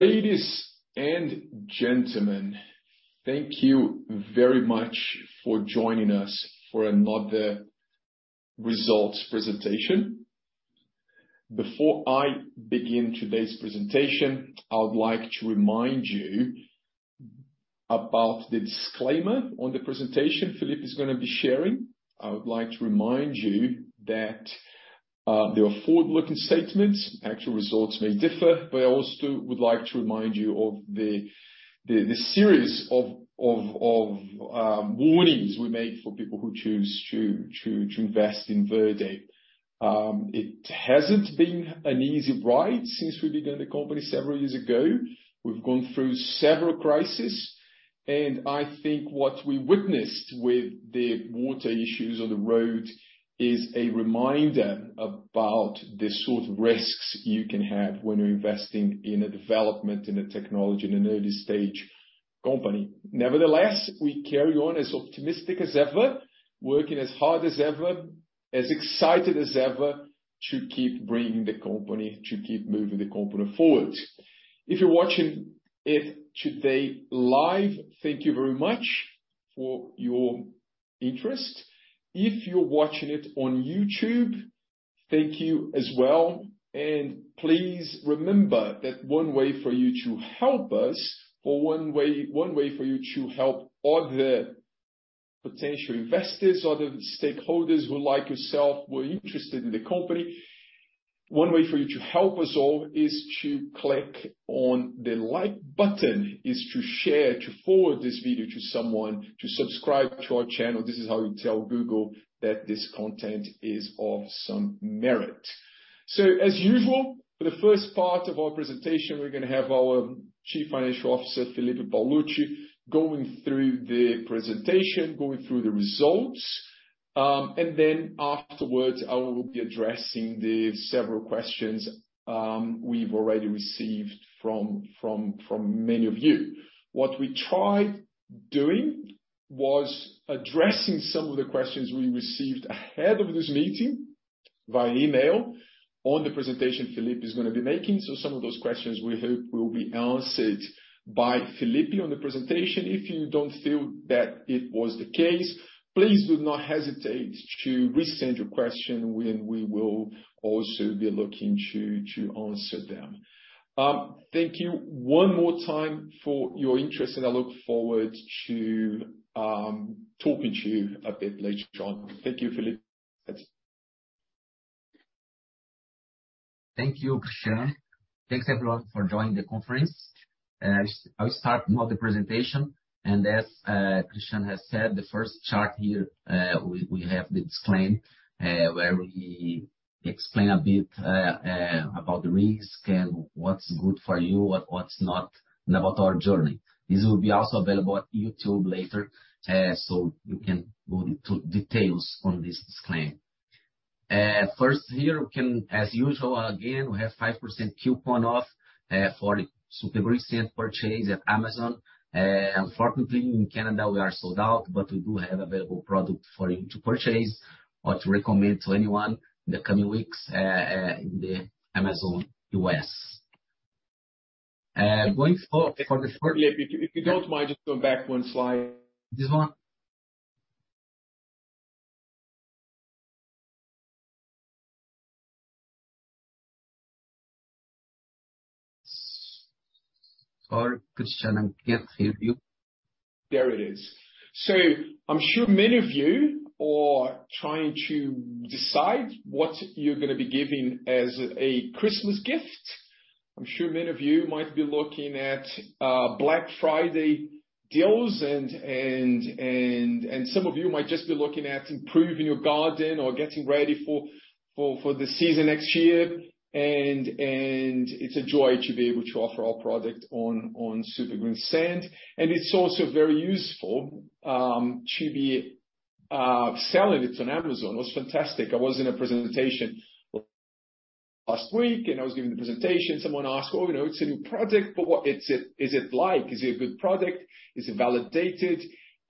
Ladies and gentlemen, thank you very much for joining us for another results presentation. Before I begin today's presentation, I would like to remind you about the disclaimer on the presentation Felipe is gonna be sharing. I would like to remind you that there are forward-looking statements. Actual results may differ, but I also would like to remind you of the series of warnings we make for people who choose to invest in Verde. It hasn't been an easy ride since we began the company several years ago. We've gone through several crises, and I think what we witnessed with the water issues on the road is a reminder about the sort of risks you can have when you're investing in a development, in a technology, in an early stage company. Nevertheless, we carry on as optimistic as ever, working as hard as ever, as excited as ever to keep bringing the company, to keep moving the company forward. If you're watching it today live, thank you very much for your interest. If you're watching it on YouTube, thank you as well. Please remember that one way for you to help us, or one way for you to help other potential investors, other stakeholders who like yourself were interested in the company, one way for you to help us all is to click on the Like button, is to share, to forward this video to someone, to subscribe to our channel. This is how you tell Google that this content is of some merit. As usual, for the first part of our presentation, we're gonna have our Chief Financial Officer, Felipe Paolucci, going through the presentation, going through the results, and then afterwards, I will be addressing the several questions we've already received from many of you. What we tried doing was addressing some of the questions we received ahead of this meeting via email on the presentation Felipe is gonna be making. Some of those questions we hope will be answered by Felipe on the presentation. If you don't feel that it was the case, please do not hesitate to resend your question, and we will also be looking to answer them. Thank you one more time for your interest, and I look forward to talking to you a bit later on. Thank you, Felipe. Thank you, Cristiano. Thanks everyone for joining the conference. I'll start now the presentation, and as Cristiano has said, the first chart here, we have the disclaimer, where we explain a bit about the risks and what's good for you and what's not and about our journey. This will be also available on YouTube later, so you can go into details on this disclaimer. First here, as usual, again, we have 5% coupon off for Super Greensand purchase at Amazon. Unfortunately in Canada we are sold out, but we do have available product for you to purchase or to recommend to anyone in the coming weeks in the Amazon U.S. Going forward for the fourth. If you don't mind, just go back one slide. This one? Cristiano, I can't hear you. There it is. I'm sure many of you are trying to decide what you're gonna be giving as a Christmas gift. I'm sure many of you might be looking at Black Friday deals, and some of you might just be looking at improving your garden or getting ready for the season next year, and it's a joy to be able to offer our product on Super Greensand. It's also very useful to be selling it on Amazon. It was fantastic. I was in a presentation last week, and I was giving the presentation. Someone asked, well, you know, it's a new product, but what is it, is it like? Is it a good product? Is it validated?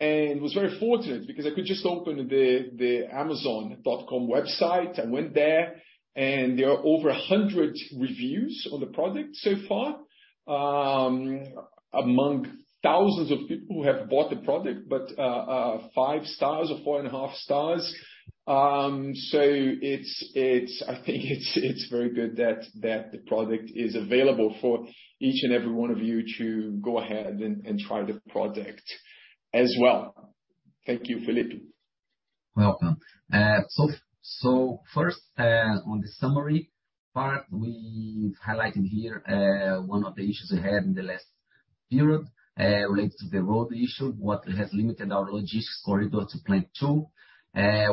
I was very fortunate because I could just open the Amazon.com website. I went there, and there are over 100 reviews on the product so far, among thousands of people who have bought the product, but 5 stars or 4.5 stars. I think it's very good that the product is available for each and every one of you to go ahead and try the product as well. Thank you, Felipe. Welcome. First, on the summary part, we've highlighted here, one of the issues we had in the last period relates to the road issue, what has limited our logistics corridor to Plant 2,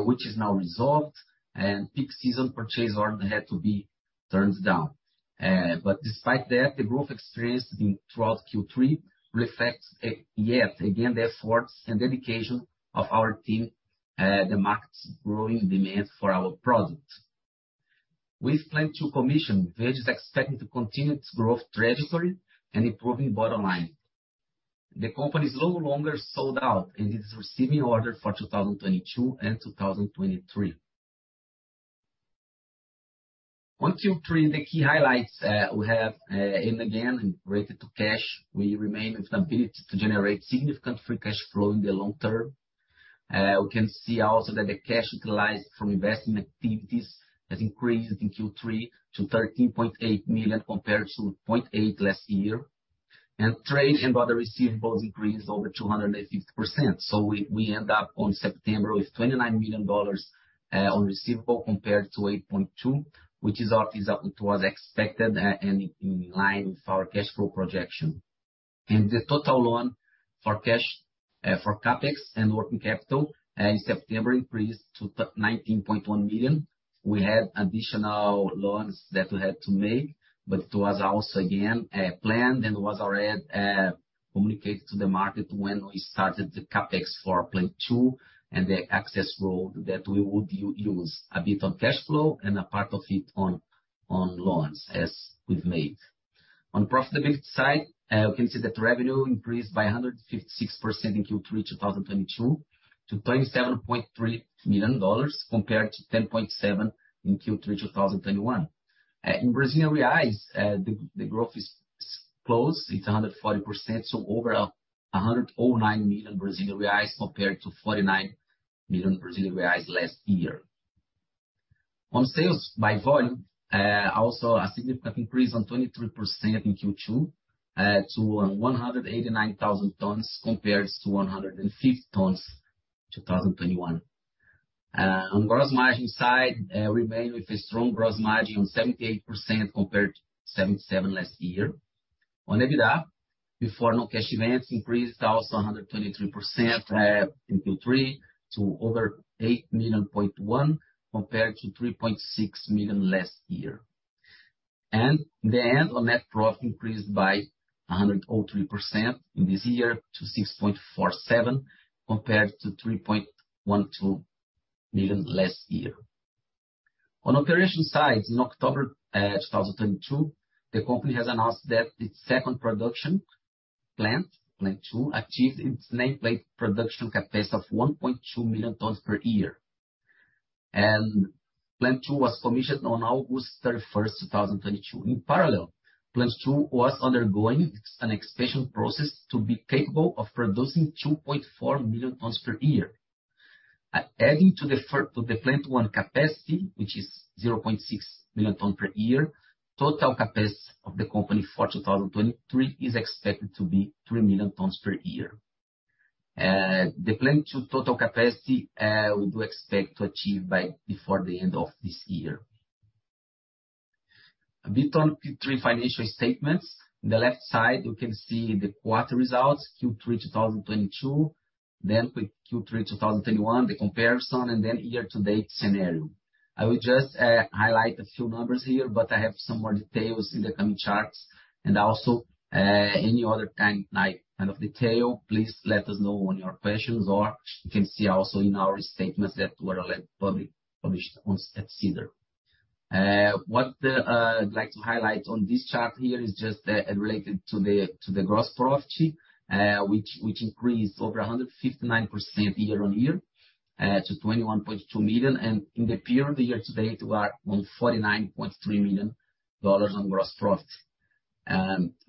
which is now resolved and peak season purchase order had to be turned down. Despite that, the growth experienced throughout Q3 reflects yet again the efforts and dedication of our team, the market's growing demand for our product. With Plant 2 commission, Verde is expecting to continue its growth trajectory and improving bottom line. The company is no longer sold out and is receiving orders for 2022 and 2023. On Q3, the key highlights, we have, and again, related to cash, we remain with ability to generate significant free cash flow in the long term. We can see also that the cash utilized from investment activities has increased in Q3 to 13.8 million compared to 0.8 million last year. Trade and other receivables increased over 250%. We end up on September with 29 million dollars in receivables compared to 8.2 million, which is as expected and in line with our cash flow projection. The total use of cash for CapEx and working capital in September increased to 19.1 million. We had additional loans that we had to make, but it was also, again, planned, and was already communicated to the market when we started the CapEx for Plant 2 and the access road that we would use a bit of cash flow and a part of it on loans, as we've made. On profitability side, you can see that revenue increased by 156% in Q3 2022 to 27.3 million dollars compared to 10.7 million in Q3 2021. In Brazilian reais, the growth is close. It's 140%, so over 109 million Brazilian reais compared to 49 million Brazilian reais last year. On sales by volume, also a significant increase on 23% in Q2, to 189,000 tons compared to 150,000 tons in 2021. On gross margin side, we remain with a strong gross margin on 78% compared to 77% last year. On EBITDA, before non-cash events, increased also 123%, in Q3 to over 8.1 million, compared to 3.6 million last year. In the end, our net profit increased by 103% in this year to 6.47 million, compared to 3.12 million last year. On operation side, in October 2022, the company has announced that its second production plant, Plant 2, achieved its nameplate production capacity of 1.2 million tons per year. Plant 2 was commissioned on August 31, 2022. In parallel, Plant 2 was undergoing an expansion process to be capable of producing 2.4 million tons per year. Adding to the Plant 1 capacity, which is 0.6 million tons per year, total capacity of the company for 2023 is expected to be 3 million tons per year. The Plant 2 total capacity we do expect to achieve by the end of this year. A bit on Q3 financial statements. On the left side, you can see the quarter results, Q3 2022, then with Q3 2021, the comparison, and then year-to-date scenario. I will just highlight a few numbers here, but I have some more details in the coming charts. Also, any other kind, like, kind of detail, please let us know on your questions, or you can see also in our statements that were, like, publicly published on, at SEDAR. I'd like to highlight on this chart here is just related to the gross profit, which increased over 159% year-on-year to 21.2 million. In the period of the year to date, we are on 49.3 million dollars on gross profit.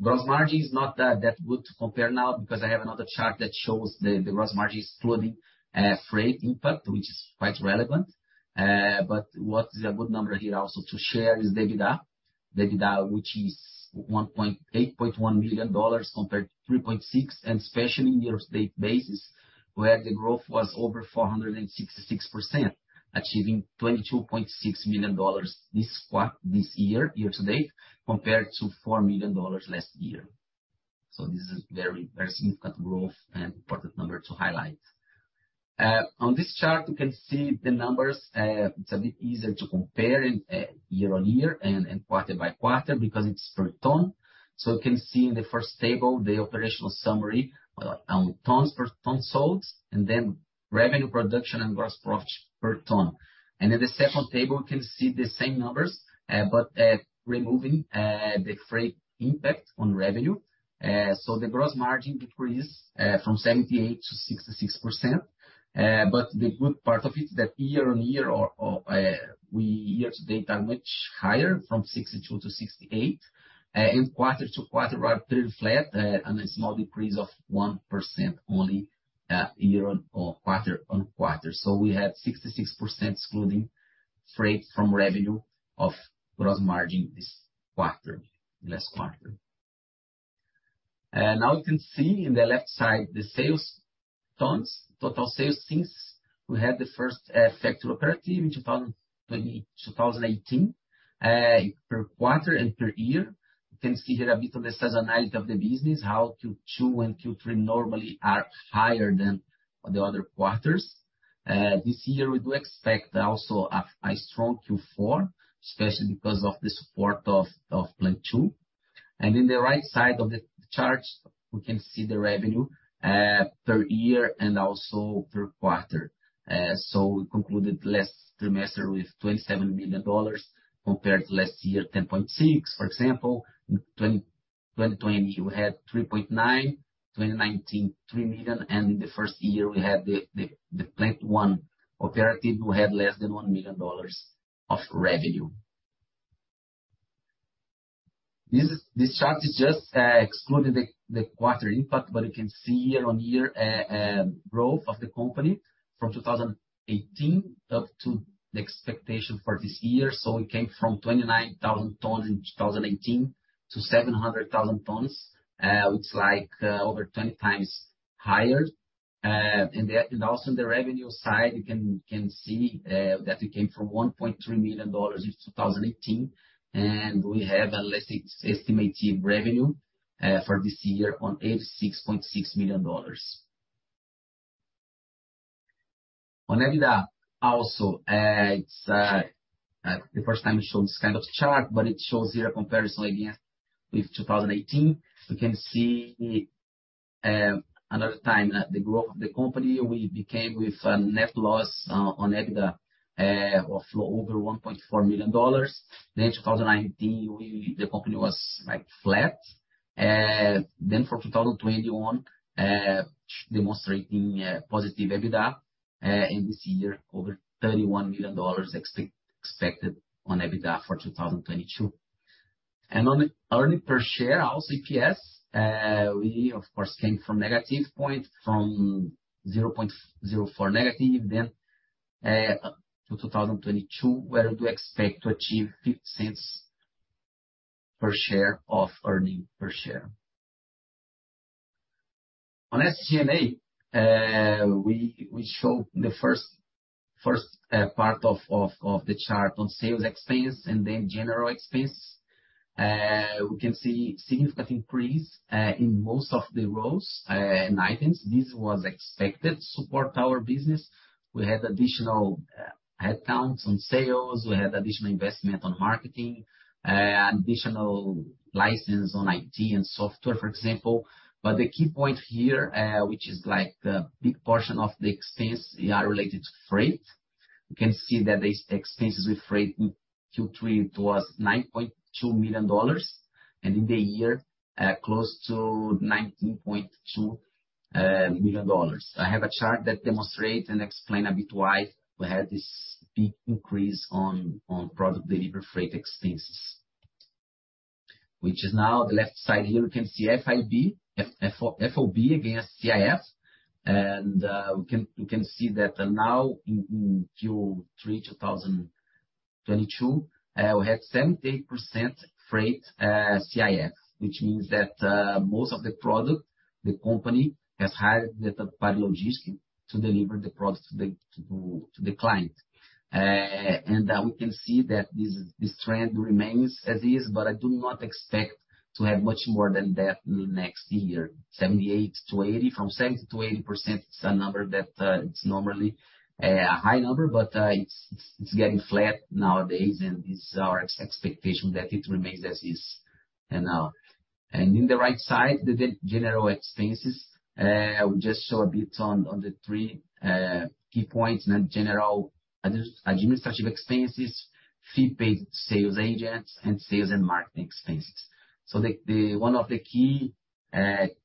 Gross margin is not that good to compare now because I have another chart that shows the gross margin is including freight impact, which is quite relevant. What is a good number here also to share is the EBITDA. The EBITDA, which is one point, 8.1 million dollars compared to 3.6 million, and especially on a year-to-date basis, where the growth was over 466%, achieving 22.6 million dollars this year-to-date, compared to 4 million dollars last year. This is very significant growth and important number to highlight. On this chart, you can see the numbers. It's a bit easier to compare in year-on-year and quarter-by-quarter because it's per ton. You can see in the first table the operational summary on tons per ton sold, and then revenue production and gross profit per ton. In the second table, you can see the same numbers, but removing the freight impact on revenue. The gross margin decreased from 78% to 66%. The good part of it is that year-on-year or year-to-date we are much higher, from 62% to 68%. In quarter-over-quarter, we are pretty flat, and a small decrease of 1% only, quarter-over-quarter. We have 66% excluding freight from revenue of gross margin this quarter, last quarter. Now you can see in the left side the sales tons, total sales since we had the first factory operating in 2018, per quarter and per year. You can see here a bit of the seasonality of the business, how Q2 and Q3 normally are higher than the other quarters. This year we do expect also a strong Q4, especially because of the support of Plant 2. In the right side of the charts, we can see the revenue per year and also per quarter. We concluded last quarter with 27 million dollars compared to last year, 10.6. For example, in 2020, we had 3.9 million. In 2019, 3 million. The first year we had the Plant 1 operational, we had less than 1 million dollars of revenue. This chart is just excluding the quarter impact, but you can see year-on-year growth of the company from 2018 up to the expectation for this year. We came from 29,000 tons in 2018 to 700,000 tons. It's like over 20x higher. The revenue side, you can see that we came from 1.3 million dollars in 2018, and we have a latest estimated revenue for this year of CAD 86.6 million. On EBITDA also, it's the first time we show this kind of chart, but it shows here a comparison with 2018. You can see once again the growth of the company. We had a net loss on EBITDA of over 1.4 million dollars. Then 2019, the company was like flat. Then for 2021, demonstrating a positive EBITDA, and this year over 31 million dollars expected on EBITDA for 2022. On earnings per share, our EPS, we of course came from -0.04 then to 2022, where we do expect to achieve 0.50 per share of earnings per share. On SG&A, we show the first part of the chart on sales expense and then general expense. We can see significant increase in most of the rows and items. This was expected to support our business. We had additional headcounts on sales, we had additional investment on marketing, additional license on IT and software, for example. The key point here, which is the big portion of the expense, they are related to freight. You can see that the expenses with freight in Q3 was 9.2 million dollars, and in the year, close to 19.2 million dollars. I have a chart that demonstrate and explain a bit why we had this big increase on product delivery freight expenses, which is now the left side here, we can see FOB against CIF. We can see that now in Q3 2022, we had 78% freight CIF, which means that most of the product, the company has hired third-party logistics to deliver the products to the client. We can see that this trend remains as is, but I do not expect to have much more than that in next year. Seventy percent to 80% is a number that is normally a high number, but it's getting flat nowadays, and this is our expectation that it remains as is. In the right side, the general expenses, I will just show a bit on the three key points in the general administrative expenses, fee-based sales agents, and sales and marketing expenses. The one of the key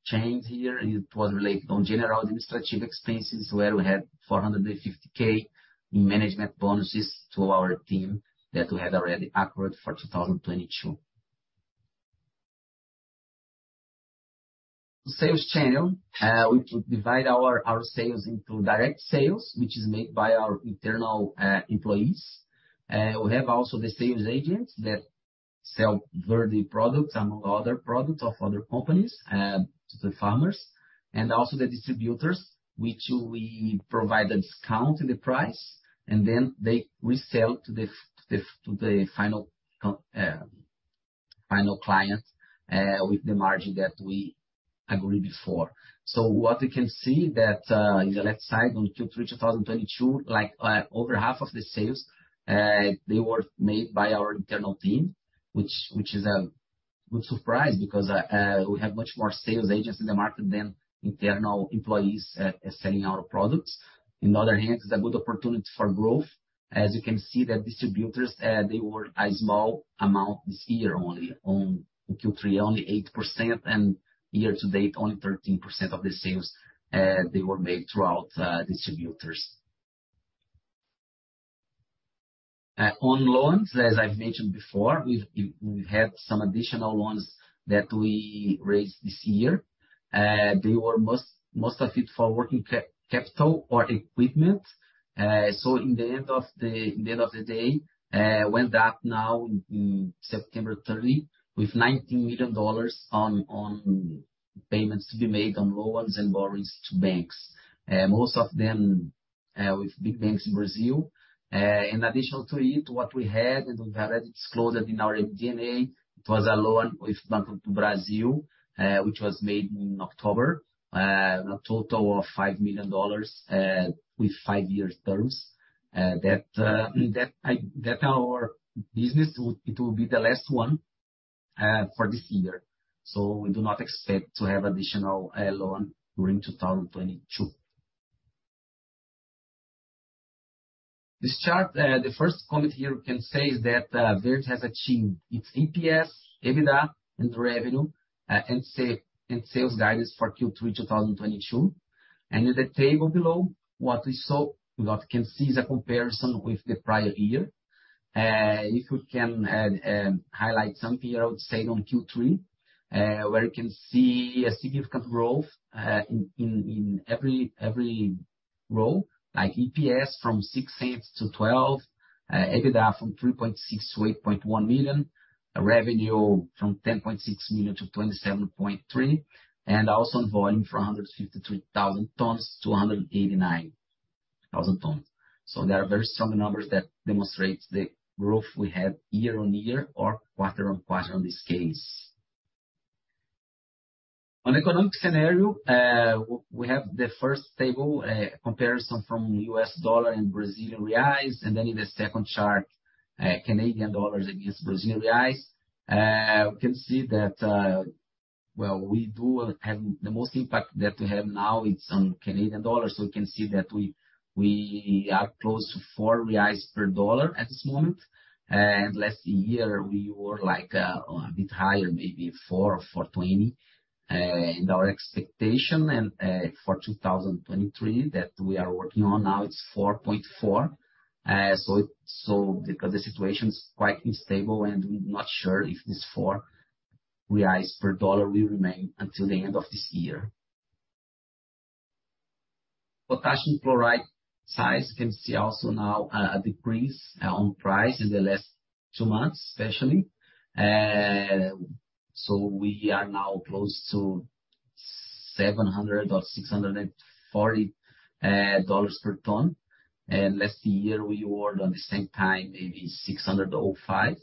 change here is, was related to general administrative expenses, where we had 450,000 in management bonuses to our team that we had already accrued for 2022. Sales channel, we could divide our sales into direct sales, which is made by our internal employees. We have also the sales agents that sell Verde products among other products of other companies to the farmers. Also the distributors, which we provide a discount in the price, and then they resell to the final client with the margin that we agreed before. What you can see in the left side on Q3 2022, like, over half of the sales, they were made by our internal team, which is good surprise because, we have much more sales agents in the market than internal employees selling our products. In other hand, it's a good opportunity for growth. As you can see, distributors were a small amount this year, only in Q3, only 8%, and year-to-date, only 13% of the sales were made through distributors. On loans, as I've mentioned before, we've had some additional loans that we raised this year. They were mostly for working capital or equipment. In the end of the day, it went up now in September 30 with 19 million dollars on payments to be made on loans and loans to banks, most of them with big banks in Brazil. In addition to it, what we had, and we have already disclosed that in our G&A, it was a loan with Banco do Brasil, which was made in October, a total of 5 million dollars with five-year terms. That our business it will be the last one for this year. We do not expect to have additional loan during 2022. This chart, the first comment here can say that, Verde has achieved its EPS, EBITDA and revenue, and sales guidance for Q3 2022. In the table below, what we can see is a comparison with the prior year. If we can highlight some here, I would say on Q3, where you can see a significant growth in every row, like EPS from 0.06 to 0.12, EBITDA from 3.6 million to 8.1 million, revenue from 10.6 million to 27.3 million, and also on volume from 153,000 tons to 189,000 tons. There are very strong numbers that demonstrate the growth we had year-on-year or quarter-on-quarter in this case. On economic scenario, we have the first table comparison from the U.S. dollar and Brazilian reais, and then in the second chart, Canadian dollars against Brazilian reais. We can see that, well, we do have the most impact that we have now is on Canadian dollars. We can see that we are close to 4 reais per dollar at this moment. Last year we were like a bit higher, maybe 4 or 4.20. Our expectation for 2023 that we are working on now is 4.4. Because the situation is quite unstable, and we're not sure if this 4 reais per dollar will remain until the end of this year. Potassium chloride price, you can see also now a decrease in price in the last two months especially. We are now close to 700 or 640 dollars per ton. Last year we were at the same time, maybe 600 or 500,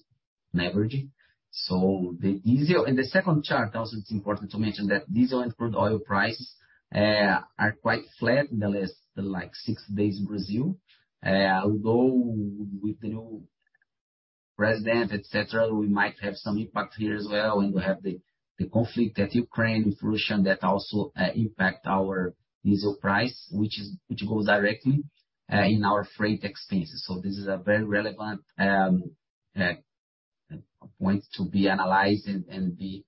on average. In the second chart, also it's important to mention that diesel and crude oil prices are quite flat in the last like six days in Brazil, although with the new president, et cetera, we might have some impact here as well. We have the conflict in Ukraine with Russia that also impacts our diesel price, which goes directly in our freight expenses. This is a very relevant point to be analyzed and be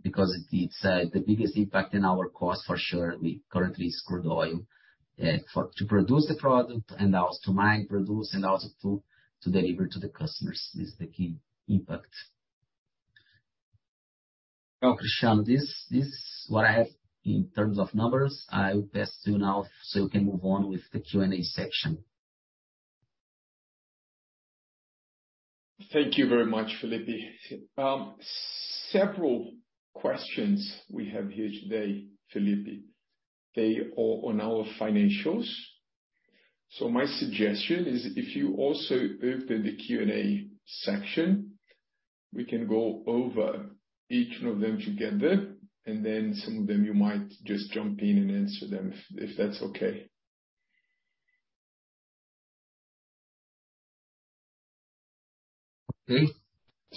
because it's the biggest impact in our cost for sure. We currently use crude oil for to produce the product and also to mine, produce and also to deliver to the customers is the key impact. Well, Cristiano, this is what I have in terms of numbers. I will pass to you now so you can move on with the Q&A section. Thank you very much, Felipe. Several questions we have here today, Felipe. They're all on our financials. My suggestion is if you also open the Q&A section, we can go over each of them together, and then some of them you might just jump in and answer them, if that's okay. Okay.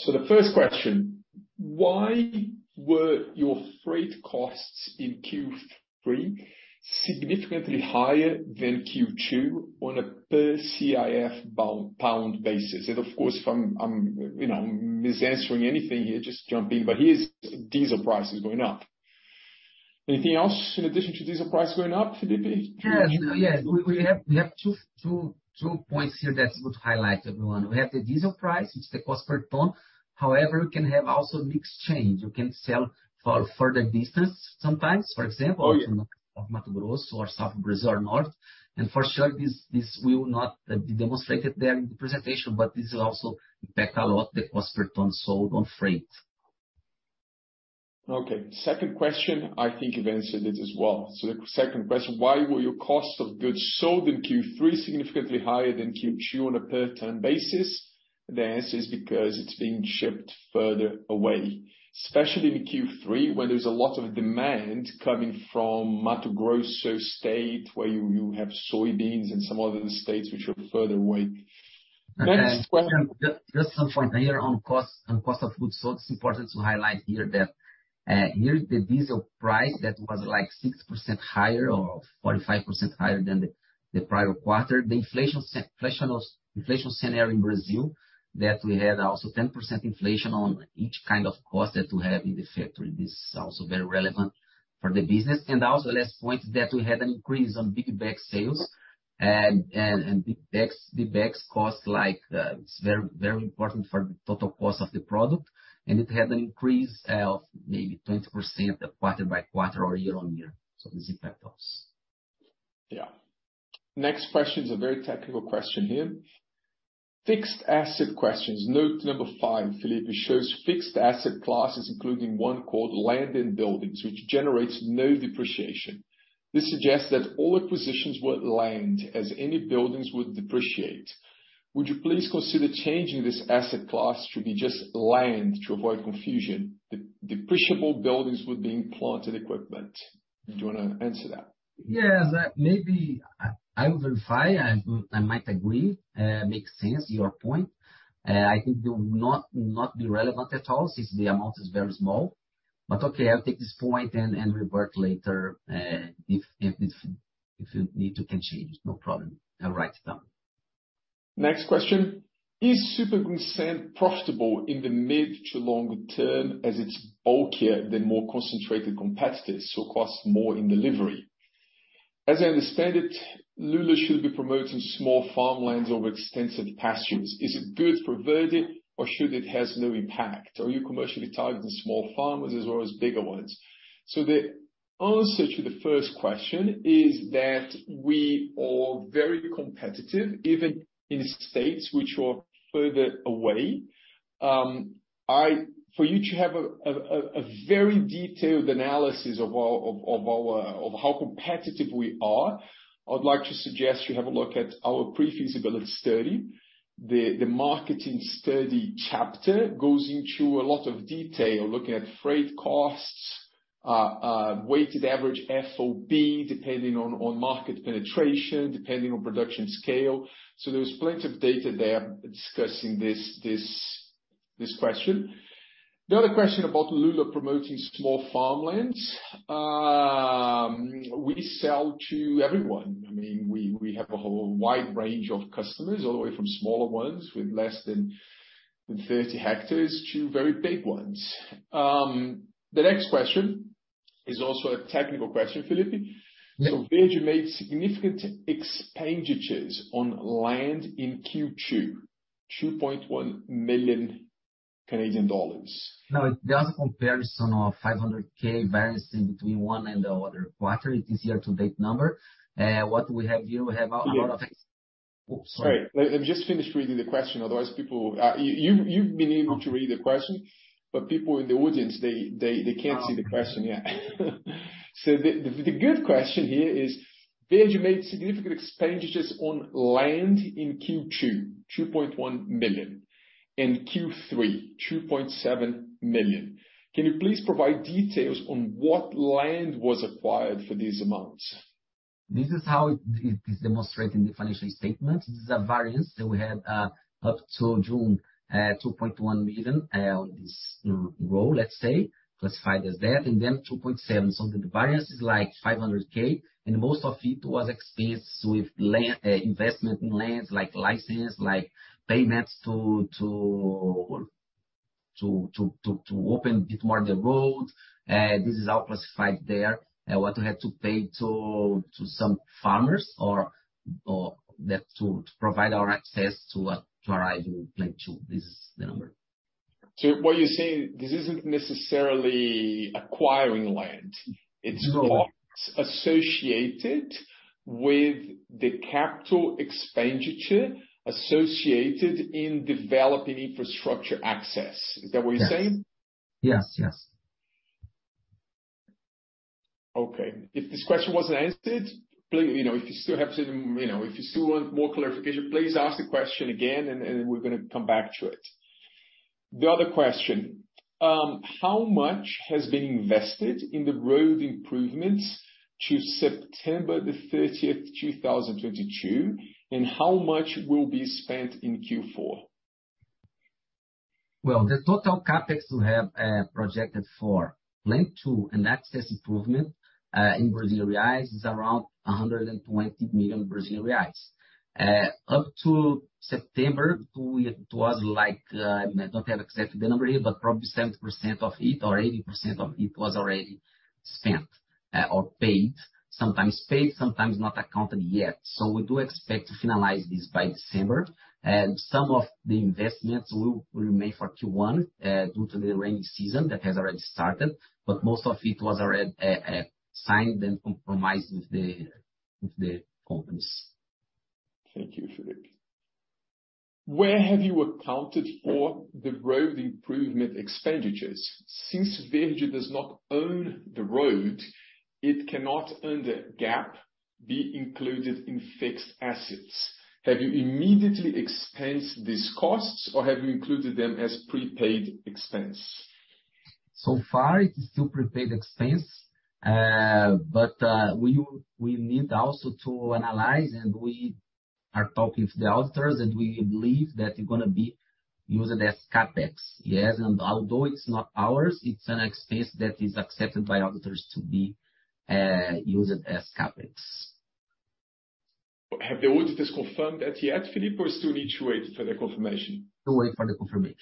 The first question: Why were your freight costs in Q3 significantly higher than Q2 on a per CIF pound basis? Of course, if I'm you know, misanswering anything here, just jump in. But here's diesel prices going up. Anything else in addition to diesel price going up, Felipe? Yes. We have two points here that's good to highlight, everyone. We have the diesel price, it's the cost per ton. However, we can have also mixed change. You can sell for further distance sometimes, for example. Oh, yeah. From Mato Grosso or South Brazil or North. For sure this will not be demonstrated there in the presentation, but this will also impact a lot the cost per ton sold on freight. Okay. Second question, I think you've answered it as well. The second question: Why were your cost of goods sold in Q3 significantly higher than Q2 on a per ton basis? The answer is because it's being shipped further away, especially in Q3, where there's a lot of demand coming from Mato Grosso state, where you have soybeans and some other states which are further away. Just some point here on cost of goods sold. It's important to highlight here that here the diesel price that was like 6% higher or 45% higher than the prior quarter. The inflation scenario in Brazil, that we had also 10% inflation on each kind of cost that we have in the factory. This is also very relevant for the business. Last point is that we had an increase on big bag sales and big bags cost like, it's very, very important for the total cost of the product, and it had an increase of maybe 20% quarter-over-quarter or year-on-year. This impacts us. Yeah. Next question is a very technical question here. Fixed asset questions. Note number five, Felipe, shows fixed asset classes, including one called land and buildings, which generates no depreciation. This suggests that all acquisitions were land, as any buildings would depreciate. Would you please consider changing this asset class to be just land to avoid confusion? Depreciable buildings would be in plant and equipment. Do you wanna answer that? Yeah. That maybe I will verify. I might agree. Makes sense, your point. I think it will not be relevant at all, since the amount is very small. Okay, I'll take this point and revert later, if you need to can change, no problem. I'll write it down. Next question. Is Super Greensand profitable in the mid to longer term as it's bulkier than more concentrated competitors, so costs more in delivery? As I understand it, Lula should be promoting small farmlands over extensive pastures. Is it good for Verde or should it have no impact? Are you commercially targeting small farmers as well as bigger ones? The answer to the first question is that we are very competitive, even in states which are further away. For you to have a very detailed analysis of how competitive we are, I would like to suggest you have a look at our pre-feasibility study. The marketing study chapter goes into a lot of detail, looking at freight costs, weighted average FOB, depending on market penetration, depending on production scale. There's plenty of data there discussing this question. The other question about Lula promoting small farmlands, we sell to everyone. I mean, we have a whole wide range of customers, all the way from smaller ones with less than 30 hectares to very big ones. The next question is also a technical question, Felipe. Yeah. Verde made significant expenditures on land in Q2, CAD 2.1 million. No, that's a comparison of 500,000 variance between one and the other quarter. It is year-to-date number. What we have here, we have a lot. Yeah. Oops, sorry. Sorry. Let me just finish reading the question. Otherwise people, you've been able to read the question, but people in the audience, they can't see the question yet. The good question here is, Verde made significant expenditures on land in Q2, 2.1 million, in Q3, 2.7 million. Can you please provide details on what land was acquired for these amounts? This is how it is demonstrated in the financial statement. This is a variance that we had up till June 2.1 million on this row, let's say, classified as that, and then 2.7 million. The variance is like 500,000, and most of it was expense with land, investment in lands like license, like payments to open bit more the road. This is all classified there. What we had to pay to some farmers or that to provide our access to our Plant 2. This is the number. What you're saying, this isn't necessarily acquiring land. No. Its costs associated with the capital expenditure associated in developing infrastructure access. Is that what you're saying? Yes, yes. Okay. If this question wasn't answered, please, you know, if you still have some, you know, if you still want more clarification, please ask the question again and we're gonna come back to it. The other question, how much has been invested in the road improvements to September the thirtieth, 2022, and how much will be spent in Q4? Well, the total CapEx we have projected for Plant 2 and access improvement in Brazilian reais is around 120 million Brazilian reais. Up to September, it was like, I don't have exactly the number here, but probably 70% of it or 80% of it was already spent or paid. Sometimes paid, sometimes not accounted yet. We do expect to finalize this by December, and some of the investments will remain for Q1 due to the rainy season that has already started, but most of it was already signed and compromised with the companies. Thank you, Felipe. Where have you accounted for the road improvement expenditures? Since Verde does not own the road, it cannot under GAAP be included in fixed assets. Have you immediately expensed these costs or have you included them as prepaid expense? So far, it is still prepaid expense, but we need also to analyze, and we are talking to the auditors and we believe that it's gonna be used as CapEx. Yes, and although it's not ours, it's an expense that is accepted by auditors to be used as CapEx. Have the auditors confirmed that yet, Felipe? Or still need to wait for the confirmation? Still wait for the confirmation.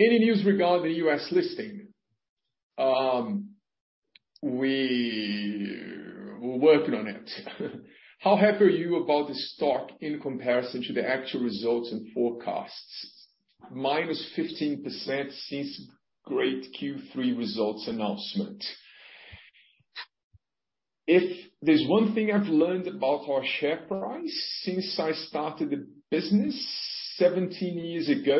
Any news regarding the U.S. listing? We're working on it. How happy are you about the stock in comparison to the actual results and forecasts? -15% since great Q3 results announcement. If there's one thing I've learned about our share price since I started the business 17 years ago,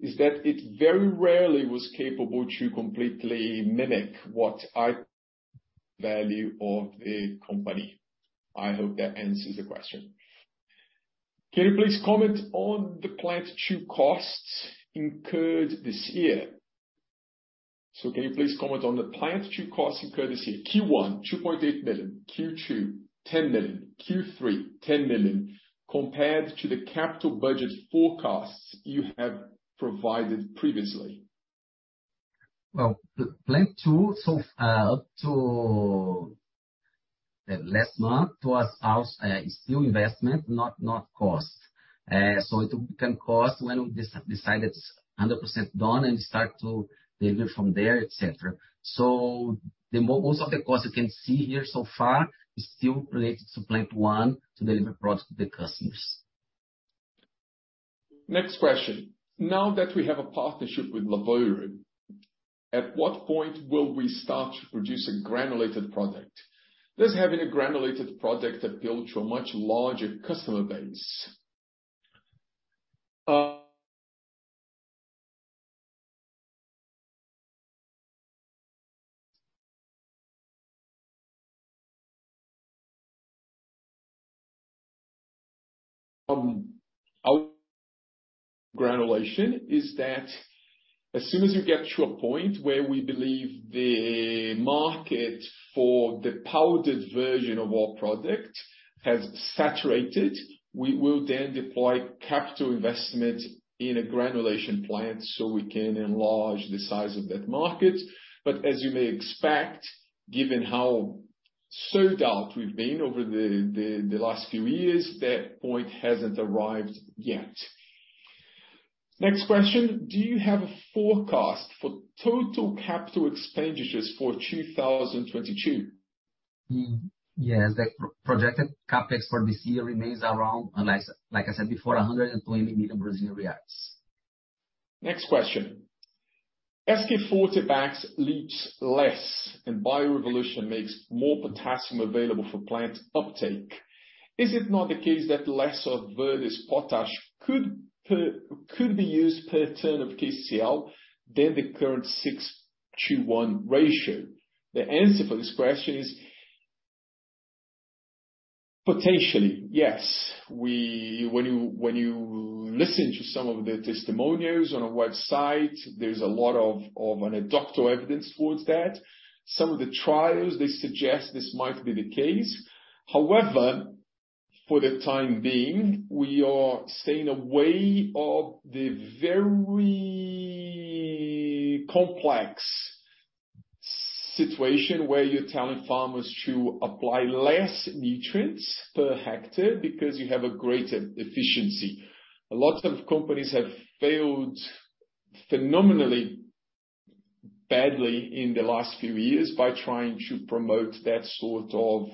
is that it very rarely was capable to completely mimic what I value of the company. I hope that answers the question. Can you please comment on the Plant 2 costs incurred this year? Q1, 2.8 million. Q2, 10 million. Q3, 10 million, compared to the capital budget forecasts you have provided previously. Well, the Plant 2, so up to last month was our still investment, not cost. It will become cost when we decide it's 100% done and start to deliver from there, et cetera. Most of the costs you can see here so far is still related to Plant 1 to deliver product to the customers. Next question. Now that we have a partnership with Lavoro, at what point will we start producing granulated product? Does having a granulated product appeal to a much larger customer base? Our granulation is that as soon as you get to a point where we believe the market for the powdered version of our product has saturated, we will then deploy capital investment in a granulation plant, so we can enlarge the size of that market. But as you may expect, given how sold out we've been over the last few years, that point hasn't arrived yet. Next question. Do you have a forecast for total capital expenditures for 2022? Yes. The projected CapEx for this year remains around, like, I said before, 120 million Brazilian reais. Next question. K Forte, BAKS leaches less and Bio Revolution makes more potassium available for plant uptake. Is it not the case that less of Verde's potash could be used per ton of KCl than the current 6-to-1 ratio? The answer for this question is potentially, yes. When you listen to some of the testimonials on our website, there's a lot of anecdotal evidence towards that. Some of the trials, they suggest this might be the case. However, for the time being, we are staying away from the very complex situation where you're telling farmers to apply less nutrients per hectare because you have a greater efficiency. A lot of companies have failed phenomenally badly in the last few years by trying to promote that sort of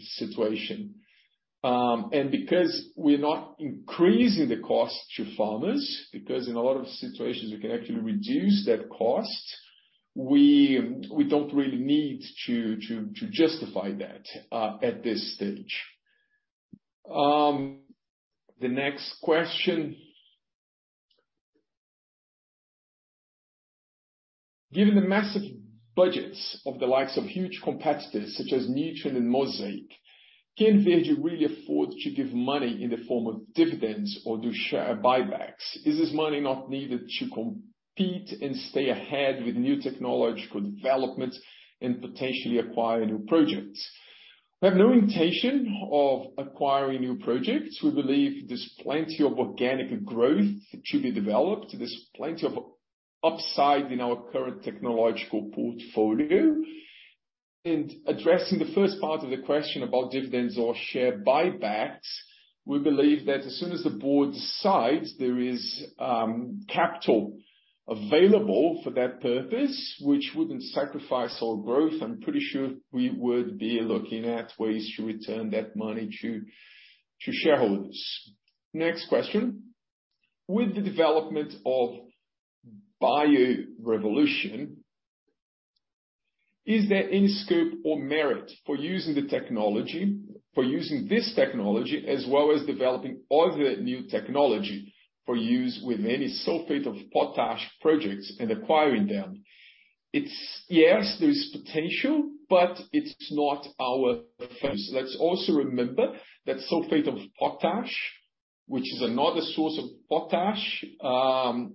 situation. Because we're not increasing the cost to farmers, because in a lot of situations we can actually reduce that cost, we don't really need to justify that at this stage. The next question. Given the massive budgets of the likes of huge competitors such as Nutrien and Mosaic, can Verde really afford to give money in the form of dividends or do share buybacks? Is this money not needed to compete and stay ahead with new technological developments and potentially acquire new projects? We have no intention of acquiring new projects. We believe there's plenty of organic growth to be developed. There's plenty of upside in our current technological portfolio. Addressing the first part of the question about dividends or share buybacks, we believe that as soon as the board decides there is capital available for that purpose, which wouldn't sacrifice our growth, I'm pretty sure we would be looking at ways to return that money to shareholders. Next question. With the development of Bio Revolution, is there any scope or merit for using this technology, as well as developing other new technology for use with any sulfate of potash projects and acquiring them? Yes, there is potential, but it's not our focus. Let's also remember that sulfate of potash, which is another source of potash, although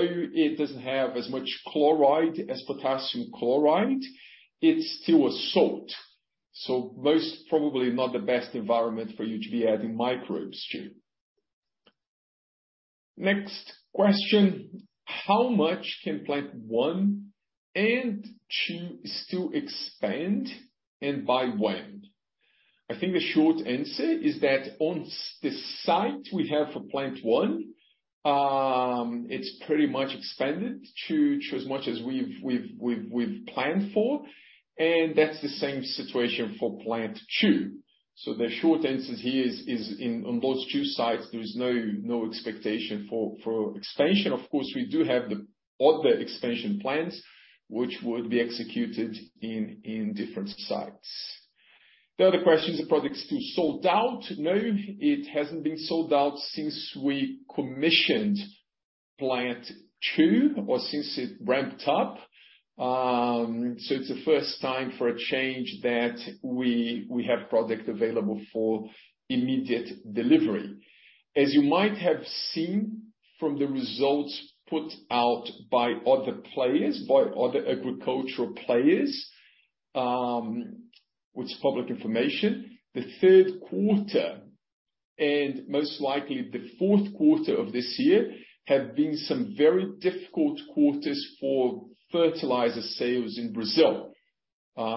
it doesn't have as much chloride as potassium chloride, it's still a salt. So most probably not the best environment for you to be adding microbes to. Next question. How much can Plant 1 and 2 still expand, and by when? I think the short answer is that on the site we have for Plant 1, it's pretty much expanded to as much as we've planned for, and that's the same situation for Plant 2. The short answer here is on those two sites, there's no expectation for expansion. Of course, we do have the other expansion plans which would be executed in different sites. The other question is the product still sold out? No, it hasn't been sold out since we commissioned Plant 2, Q2 or since it ramped up. It's the first time for a change that we have product available for immediate delivery. As you might have seen from the results put out by other players, by other agricultural players, which is public information, the third quarter, and most likely the fourth quarter of this year, have been some very difficult quarters for fertilizer sales in Brazil.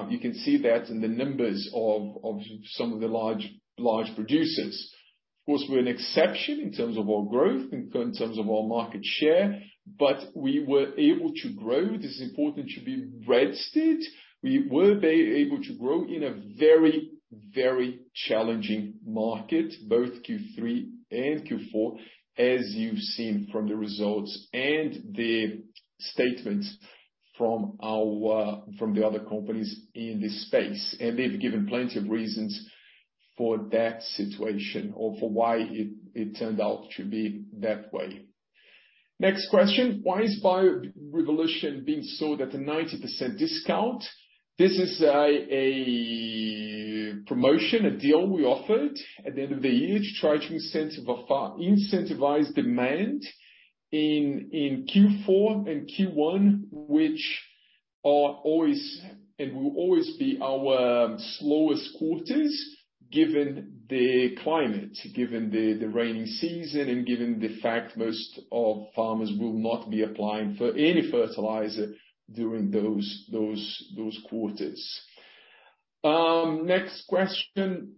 You can see that in the numbers of some of the large producers. Of course, we're an exception in terms of our growth and in terms of our market share, but we were able to grow. This is important to be registered. We were able to grow in a very, very challenging market, both Q3 and Q4, as you've seen from the results and the statements from the other companies in this space. They've given plenty of reasons for that situation or for why it turned out to be that way. Next question: Why is Bio Revolution being sold at a 90% discount? This is a promotion, a deal we offered at the end of the year to try to incentivize demand in Q4 and Q1, which are always and will always be our slowest quarters, given the climate, given the rainy season, and given the fact most of farmers will not be applying for any fertilizer during those quarters. Next question: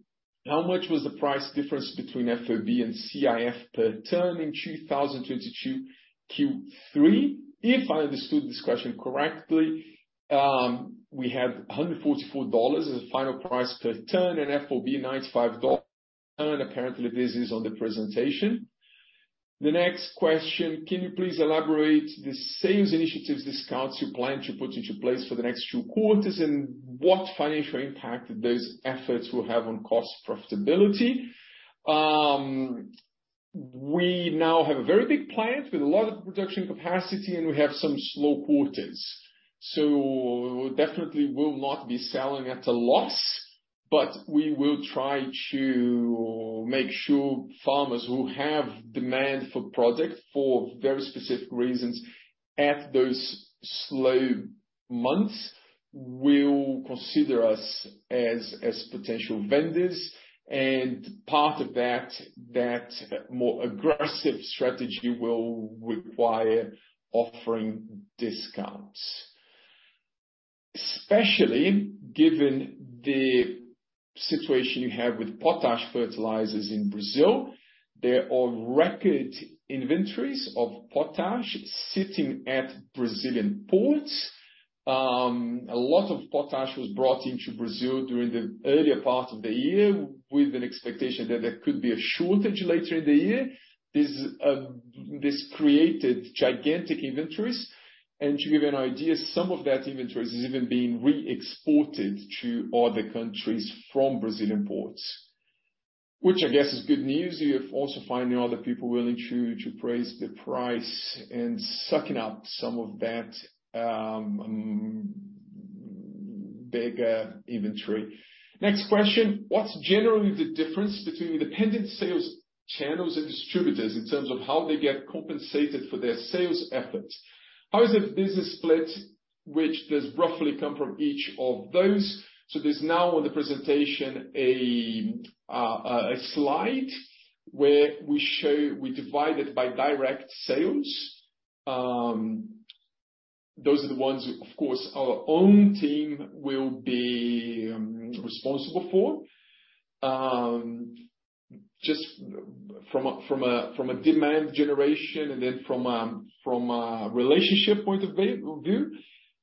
How much was the price difference between FOB and CIF per ton in 2022 Q3? If I understood this question correctly, we had 144 dollars as a final price per ton and FOB 95 dollars per ton. Apparently, this is on the presentation. The next question: Can you please elaborate the sales initiatives discounts you plan to put into place for the next two quarters, and what financial impact those efforts will have on cost profitability? We now have a very big plant with a lot of production capacity, and we have some slow quarters. We definitely will not be selling at a loss, but we will try to make sure farmers who have demand for product for very specific reasons at those slow months will consider us as potential vendors. Part of that more aggressive strategy will require offering discounts. Especially given the situation you have with potash fertilizers in Brazil, there are record inventories of potash sitting at Brazilian ports. A lot of potash was brought into Brazil during the earlier part of the year with an expectation that there could be a shortage later in the year. This created gigantic inventories. To give you an idea, some of that inventory is even being re-exported to other countries from Brazilian ports, which I guess is good news. You're also finding other people willing to raise the price and sucking up some of that bigger inventory. Next question: What's generally the difference between independent sales channels and distributors in terms of how they get compensated for their sales efforts? How is the business split, which does roughly come from each of those? There's now on the presentation a slide where we show we divide it by direct sales. Those are the ones, of course, our own team will be responsible for, just from a demand generation and then from a relationship point of view.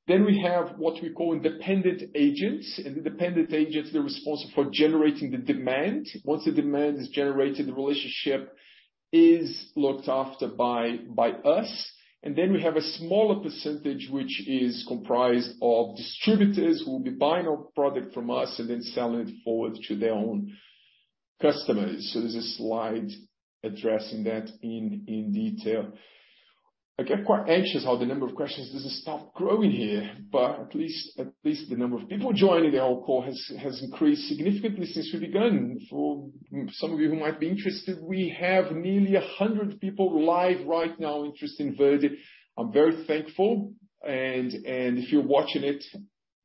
We have what we call independent agents. Independent agents are responsible for generating the demand. Once the demand is generated, the relationship is looked after by us. We have a smaller percentage, which is comprised of distributors who will be buying our product from us and then selling it forward to their own customers. There's a slide addressing that in detail. I get quite anxious how the number of questions doesn't stop growing here, but at least the number of people joining our call has increased significantly since we began. For some of you who might be interested, we have nearly 100 people live right now interested in Verde. I'm very thankful. If you're watching it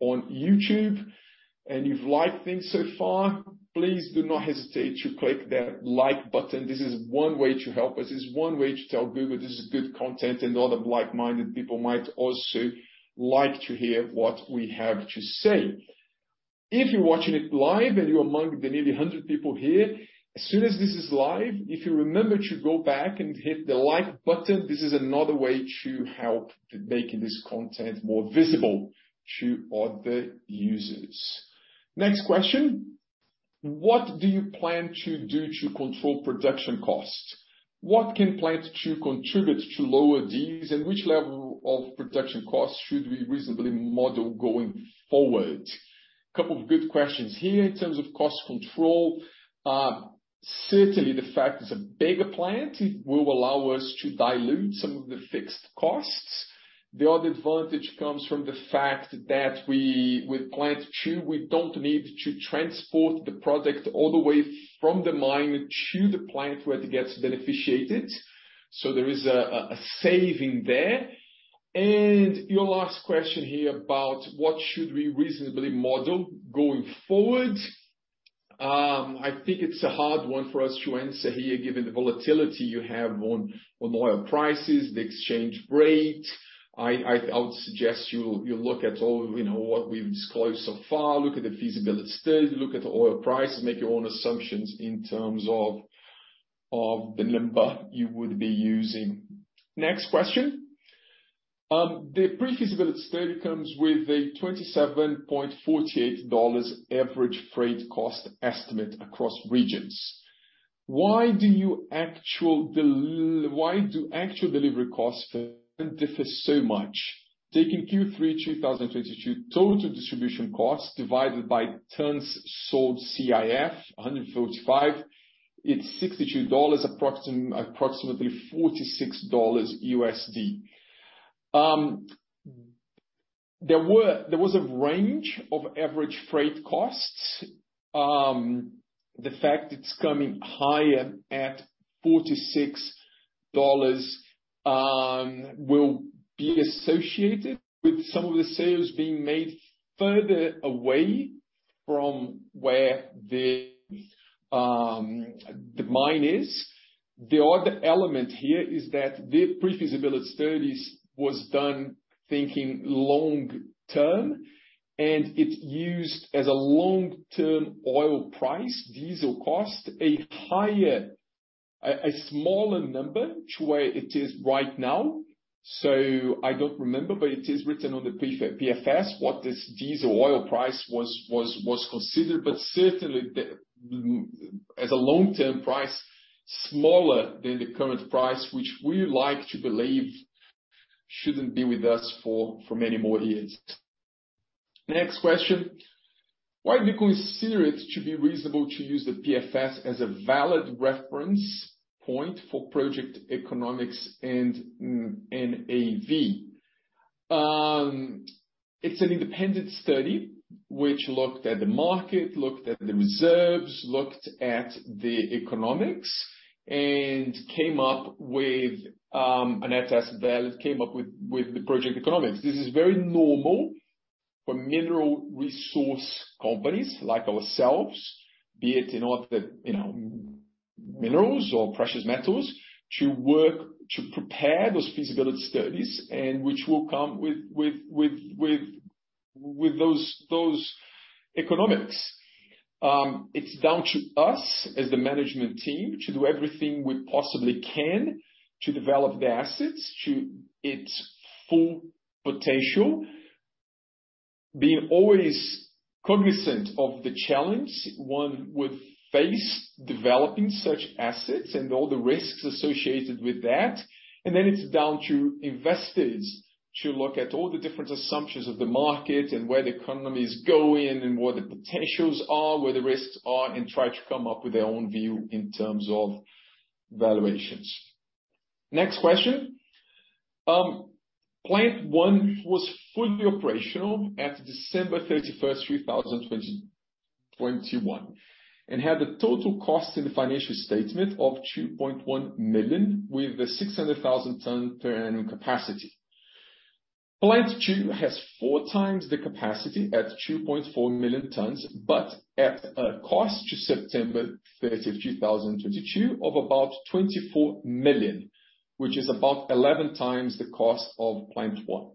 on YouTube and you've liked things so far, please do not hesitate to click that like button. This is one way to help us. This is one way to tell Google this is good content, and other like-minded people might also like to hear what we have to say. If you're watching it live and you're among the nearly hundred people here, as soon as this is live, if you remember to go back and hit the like button, this is another way to help making this content more visible to other users. Next question: What do you plan to do to control production costs? What can Plant 2 contribute to lower these, and which level of production costs should we reasonably model going forward? A couple of good questions here in terms of cost control. Certainly the fact it's a bigger plant, it will allow us to dilute some of the fixed costs. The other advantage comes from the fact that with Plant 2, we don't need to transport the product all the way from the mine to the plant where it gets beneficiated, so there is a saving there. Your last question here about what should we reasonably model going forward. I think it's a hard one for us to answer here, given the volatility you have on oil prices, the exchange rate. I would suggest you look at all, you know, what we've disclosed so far, look at the feasibility study, look at the oil price, make your own assumptions in terms of the number you would be using. Next question. The pre-feasibility study comes with a 27.48 dollars average freight cost estimate across regions. Why do actual delivery costs differ so much? Taking Q3 2022 total distribution costs divided by tons sold CIF, 145, it's CAD 62, approximately $46. There was a range of average freight costs. The fact it's coming higher at $46 will be associated with some of the sales being made further away from where the mine is. The other element here is that the pre-feasibility study was done thinking long-term, and it used a long-term oil price, diesel cost, a smaller number than where it is right now. I don't remember, but it is written on the PFS what this diesel oil price was considered, but certainly as a long-term price, smaller than the current price, which we like to believe shouldn't be with us for many more years. Next question. Why do you consider it to be reasonable to use the PFS as a valid reference point for project economics and NAV? It's an independent study which looked at the market, looked at the reserves, looked at the economics, and came up with a net asset value, came up with the project economics. This is very normal for mineral resource companies like ourselves, be it in, you know, minerals or precious metals, to work to prepare those feasibility studies and which will come with those economics. It's down to us as the management team to do everything we possibly can to develop the assets to its full potential, being always cognizant of the challenge one would face developing such assets and all the risks associated with that. It's down to investors to look at all the different assumptions of the market and where the economy is going and what the potentials are, where the risks are, and try to come up with their own view in terms of valuations. Next question. Plant 1 was fully operational at December 31, 2021 and had a total cost in the financial statement of 2.1 million with a 600,000-ton per annum capacity. Plant 2 has 4x the capacity at 2.4 million tons, but at a cost to September 30, 2022 of about 24 million, which is about 11x the cost of Plant 1.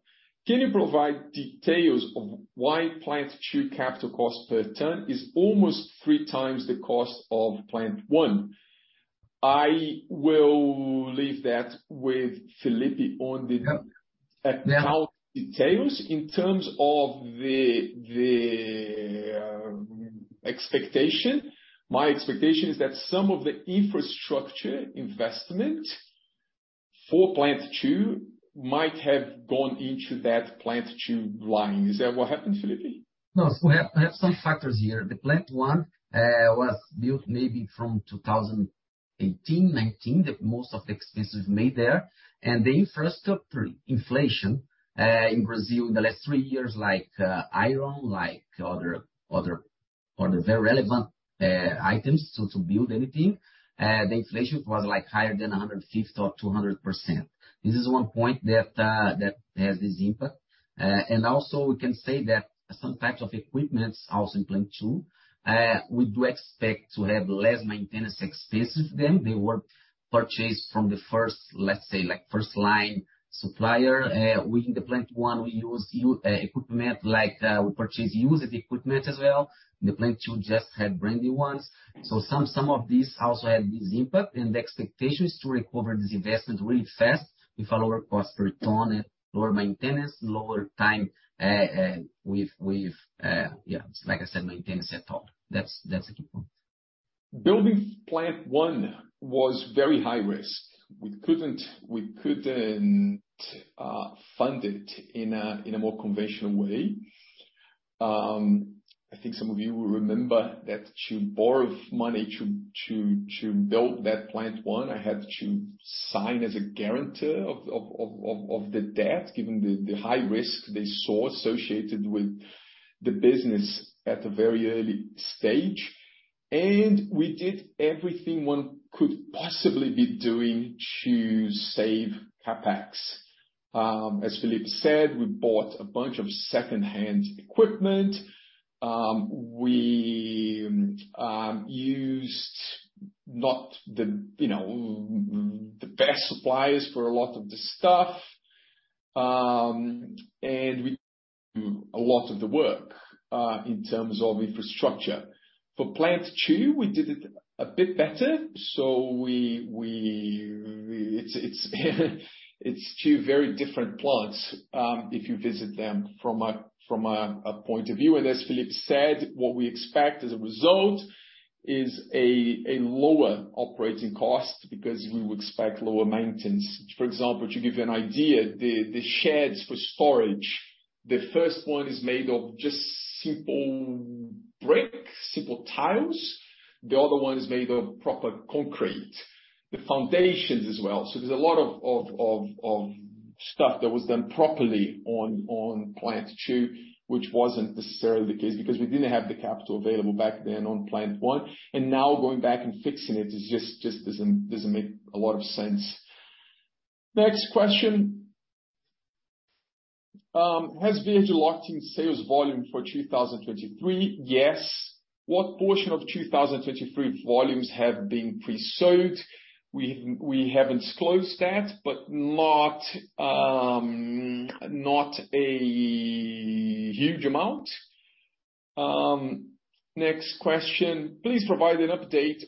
Can you provide details of why Plant 2 capital cost per ton is almost 3x the cost of Plant 1? I will leave that with Felipe on the account details. In terms of the expectation, my expectation is that some of the infrastructure investment for Plant 2 might have gone into that Plant 2 line. Is that what happened, Felipe? No. We have some factors here. The Plant 1 was built maybe from 2018, 2019, the most of the expenses made there. The infrastructure inflation in Brazil in the last three years, like, iron, like other very relevant items to build anything, the inflation was like higher than 150% or 200%. This is one point that has this impact. We can say that some types of equipment, also in Plant 2, we do expect to have less maintenance expenses than they were purchased from the first, let's say, like first line supplier. Within the Plant 1, we used equipment like, we purchase used equipment as well. The Plant 2 just had brand new ones. Some of these also had this impact, and the expectation is to recover these investments really fast with a lower cost per ton and lower maintenance, lower time with, like I said, maintenance at all. That's the key point. Building Plant 1 was very high risk. We couldn't fund it in a more conventional way. I think some of you will remember that to borrow money to build that Plant 1, I had to sign as a guarantor of the debt, given the high risk they saw associated with the business at a very early stage. We did everything one could possibly be doing to save CapEx. As Felipe said, we bought a bunch of secondhand equipment. We used not, you know, the best suppliers for a lot of the stuff, and we do a lot of the work in terms of infrastructure. For Plant 2, we did it a bit better. It's two very different plants if you visit them from our point of view. As Felipe said, what we expect as a result is a lower operating cost because we would expect lower maintenance. For example, to give you an idea, the sheds for storage, the first one is made of just simple brick, simple tiles. The other one is made of proper concrete. The foundations as well. There's a lot of stuff that was done properly on Plant 2, which wasn't necessarily the case because we didn't have the capital available back then on Plant 1. Now going back and fixing it just doesn't make a lot of sense. Next question. Has Verde locked in sales volume for 2023? Yes. What portion of 2023 volumes have been pre-sold? We haven't disclosed that, but not a huge amount. Next question. Please provide an update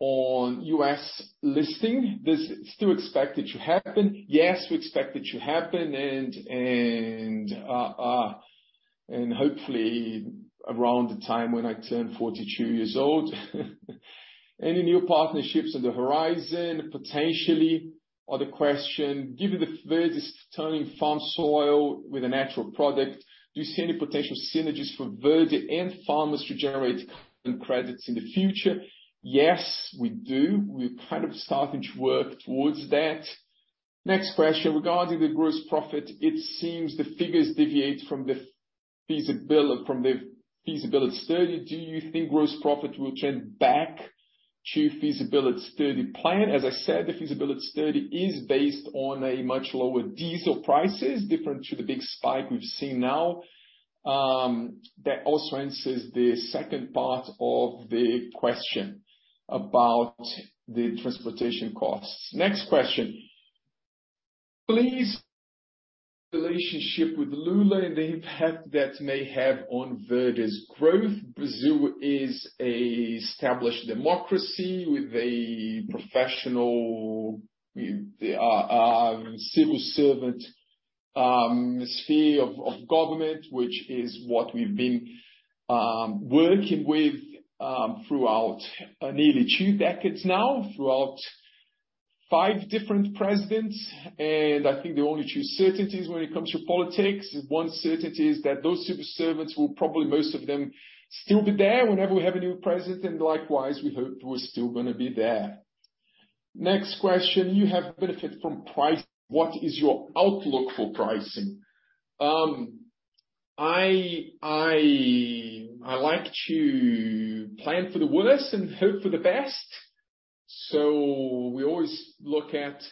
on U.S. listing. This is still expected to happen? Yes, we expect it to happen and hopefully around the time when I turn 42 years old. Any new partnerships on the horizon? Potentially. Other question. Given that Verde's turning farm soil with a natural product, do you see any potential synergies for Verde and farmers to generate carbon credits in the future? Yes, we do. We're kind of starting to work towards that. Next question. Regarding the gross profit, it seems the figures deviate from the feasibility study. Do you think gross profit will trend back to feasibility study plan? As I said, the feasibility study is based on a much lower diesel prices, different to the big spike we've seen now. That also answers the second part of the question about the transportation costs. Next question. Please, relationship with Lula and the impact that may have on Verde's growth. Brazil is an established democracy with a professional civil servant sphere of government, which is what we've been working with throughout nearly two decades now, throughout five different presidents. I think the only two certainties when it comes to politics is one certainty is that those civil servants will probably, most of them, still be there whenever we have a new president. Likewise, we hope we're still gonna be there. Next question. You have benefit from price. What is your outlook for pricing? I like to plan for the worst and hope for the best. We always look at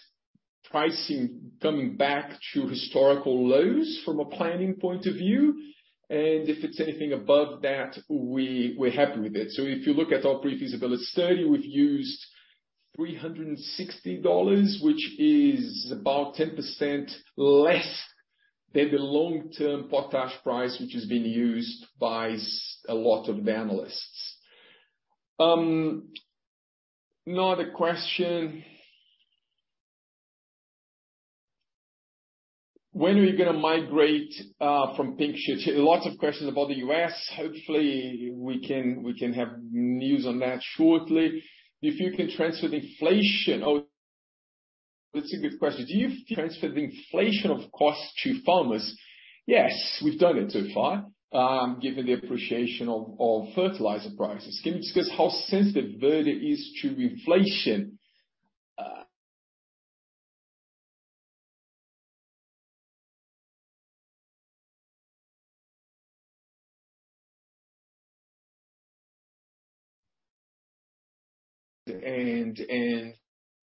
pricing coming back to historical lows from a planning point of view. If it's anything above that, we're happy with it. If you look at our pre-feasibility study, we've used 360 dollars, which is about 10% less than the long-term potash price, which is being used by a lot of the analysts. Another question. When are we gonna migrate from pink sheets? Lots of questions about the U.S. Hopefully we can have news on that shortly. If you can transfer the inflation. Oh, that's a good question. Do you transfer the inflation of costs to farmers? Yes, we've done it so far, given the appreciation of fertilizer prices. Can you discuss how sensitive Verde is to inflation?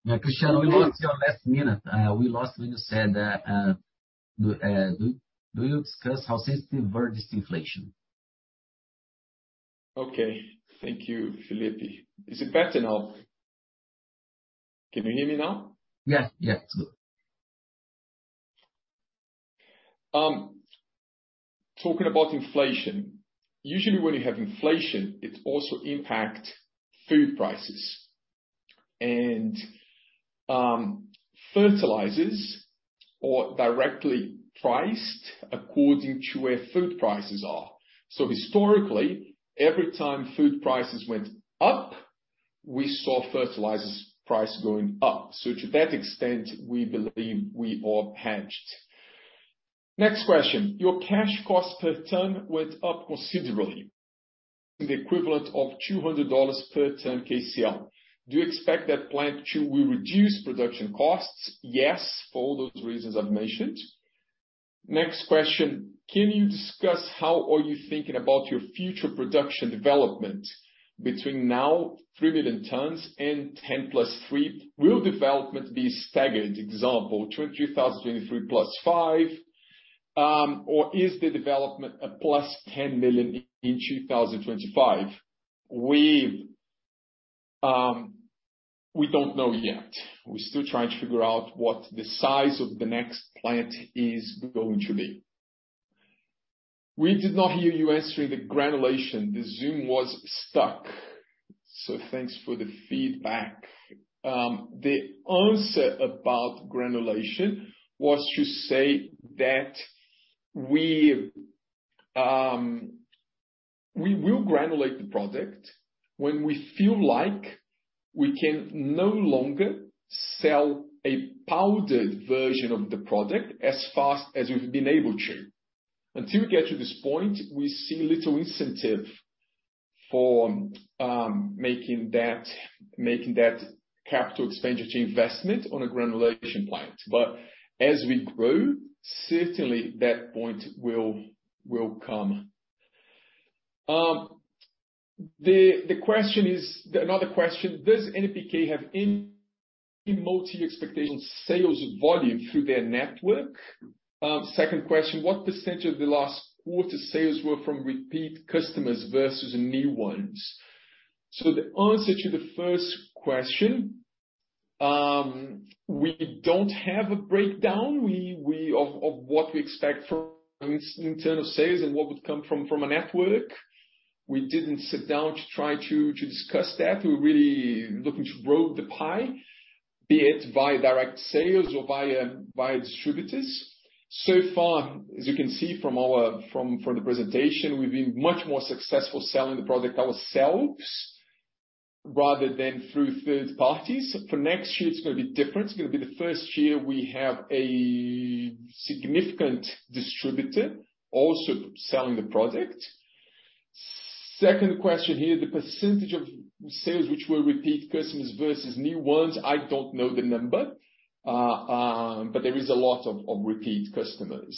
Yeah, Cristiano, we lost you in the last minute. We lost you when you said that. Do you discuss how sensitive Verde is to inflation? Okay. Thank you, Felipe. Is it better now? Can you hear me now? Yeah. It's good. Talking about inflation, usually when you have inflation, it also impact food prices. Fertilizers are directly priced according to where food prices are. Historically, every time food prices went up, we saw fertilizers price going up. To that extent, we believe we are hedged. Next question. Your cash cost per ton went up considerably in the equivalent of 200 dollars per ton KCl. Do you expect that Plant 2 will reduce production costs? Yes, for all those reasons I've mentioned. Next question. Can you discuss how are you thinking about your future production development between now 3 million tons and 10 + 3? Will development be staggered? Example, 2023 +5 million, or is the development +10 million in 2025? We don't know yet. We're still trying to figure out what the size of the next plant is going to be. We did not hear you answering the granulation. The Zoom was stuck. Thanks for the feedback. The answer about granulation was to say that we will granulate the product when we feel like we can no longer sell a powdered version of the product as fast as we've been able to. Until we get to this point, we see little incentive for making that capital expenditure investment on a granulation plant. As we grow, certainly that point will come. The question is, another question, does NPK have any multi-location sales volume through their network? Second question, what percentage of the last quarter sales were from repeat customers versus new ones? The answer to the first question, we don't have a breakdown of what we expect in terms of sales and what would come from a network. We didn't sit down to try to discuss that. We're really looking to grow the pie, be it via direct sales or via distributors. As you can see from the presentation, we've been much more successful selling the product ourselves rather than through third parties. For next year, it's gonna be different. It's gonna be the first year we have a significant distributor also selling the product. Second question here, the percentage of sales which were repeat customers versus new ones, I don't know the number, but there is a lot of repeat customers.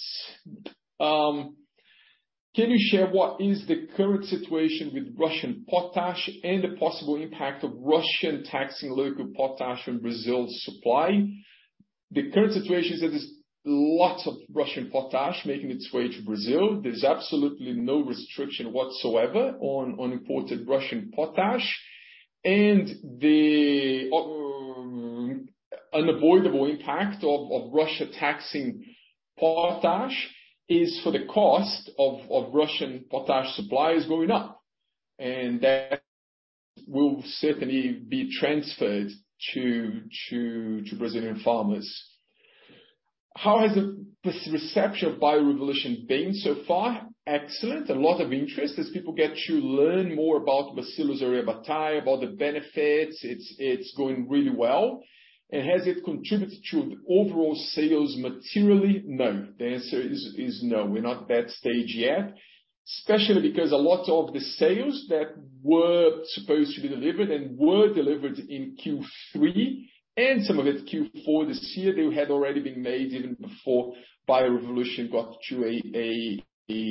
Can you share what is the current situation with Russian potash and the possible impact of Russian taxing local potash on Brazil's supply? The current situation is that there's lots of Russian potash making its way to Brazil. There's absolutely no restriction whatsoever on imported Russian potash. The unavoidable impact of Russia taxing potash is for the cost of Russian potash supply is going up, and that will certainly be transferred to Brazilian farmers. How has the reception of Bio Revolution been so far? Excellent. A lot of interest. As people get to learn more about Bacillus aryabhattai, about the benefits, it's going really well. Has it contributed to overall sales materially? No. The answer is no. We're not at that stage yet, especially because a lot of the sales that were supposed to be delivered and were delivered in Q3 and some of it Q4 this year, they had already been made even before Bio Revolution got to a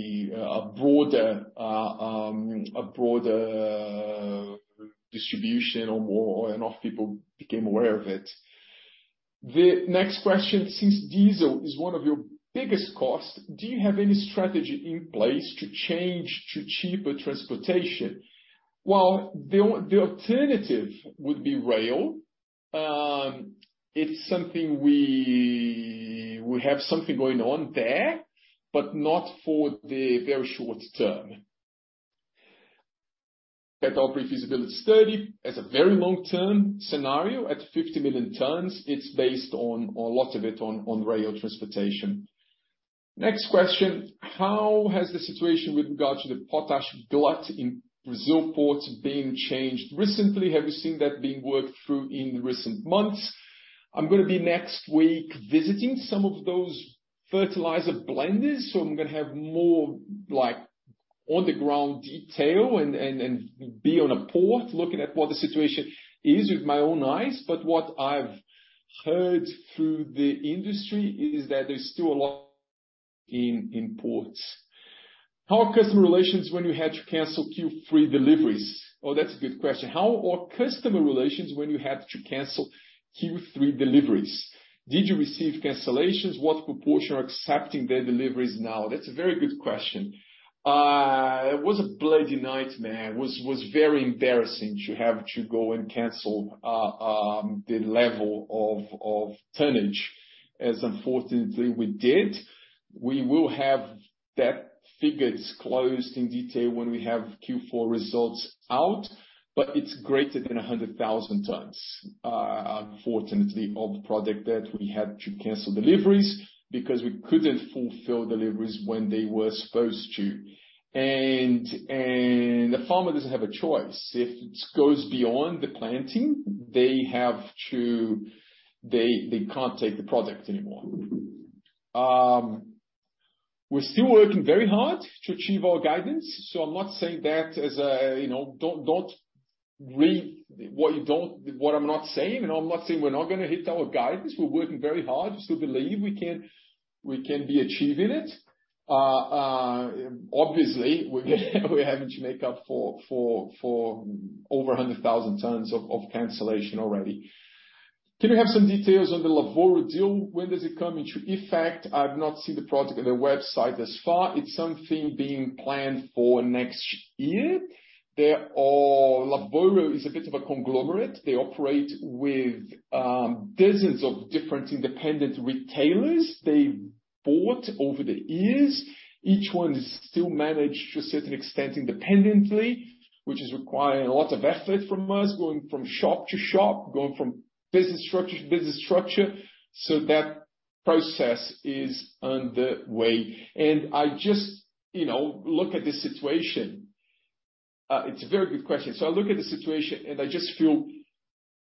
broader distribution or more people became aware of it. The next question, since diesel is one of your biggest costs, do you have any strategy in place to change to cheaper transportation? Well, the alternative would be rail. It's something we have something going on there, but not for the very short term. Our pre-feasibility study is a very long-term scenario at 50 million tons. It's based a lot of it on rail transportation. Next question. How has the situation with regard to the potash glut in Brazil ports been changed recently? Have you seen that being worked through in recent months? I'm gonna be next week visiting some of those fertilizer blenders, so I'm gonna have more like on-the-ground detail and be at a port looking at what the situation is with my own eyes. What I've heard through the industry is that there's still a lot in ports. How are customer relations when you had to cancel Q3 deliveries? Oh, that's a good question. How are customer relations when you had to cancel Q3 deliveries? Did you receive cancellations? What proportion are accepting their deliveries now? That's a very good question. It was a bloody nightmare. It was very embarrassing to have to go and cancel the level of tonnage as unfortunately we did. We will have that figure disclosed in detail when we have Q4 results out, but it's greater than 100,000 tons, unfortunately, of product that we had to cancel deliveries because we couldn't fulfill deliveries when they were supposed to. The farmer doesn't have a choice. If it goes beyond the planting, they can't take the product anymore. We're still working very hard to achieve our guidance. Don't read what I'm not saying. I'm not saying we're not gonna hit our guidance. We're working very hard. I still believe we can be achieving it. Obviously, we're having to make up for over 100,000 tons of cancellation already. Can we have some details on the Lavoro deal? When does it come into effect? I've not seen the product on their website thus far. It's something being planned for next year. Lavoro is a bit of a conglomerate. They operate with dozens of different independent retailers they bought over the years. Each one is still managed to a certain extent independently, which is requiring a lot of effort from us going from shop to shop, going from business structure to business structure. That process is underway. I just, you know, look at this situation. It's a very good question. I look at the situation, and I just feel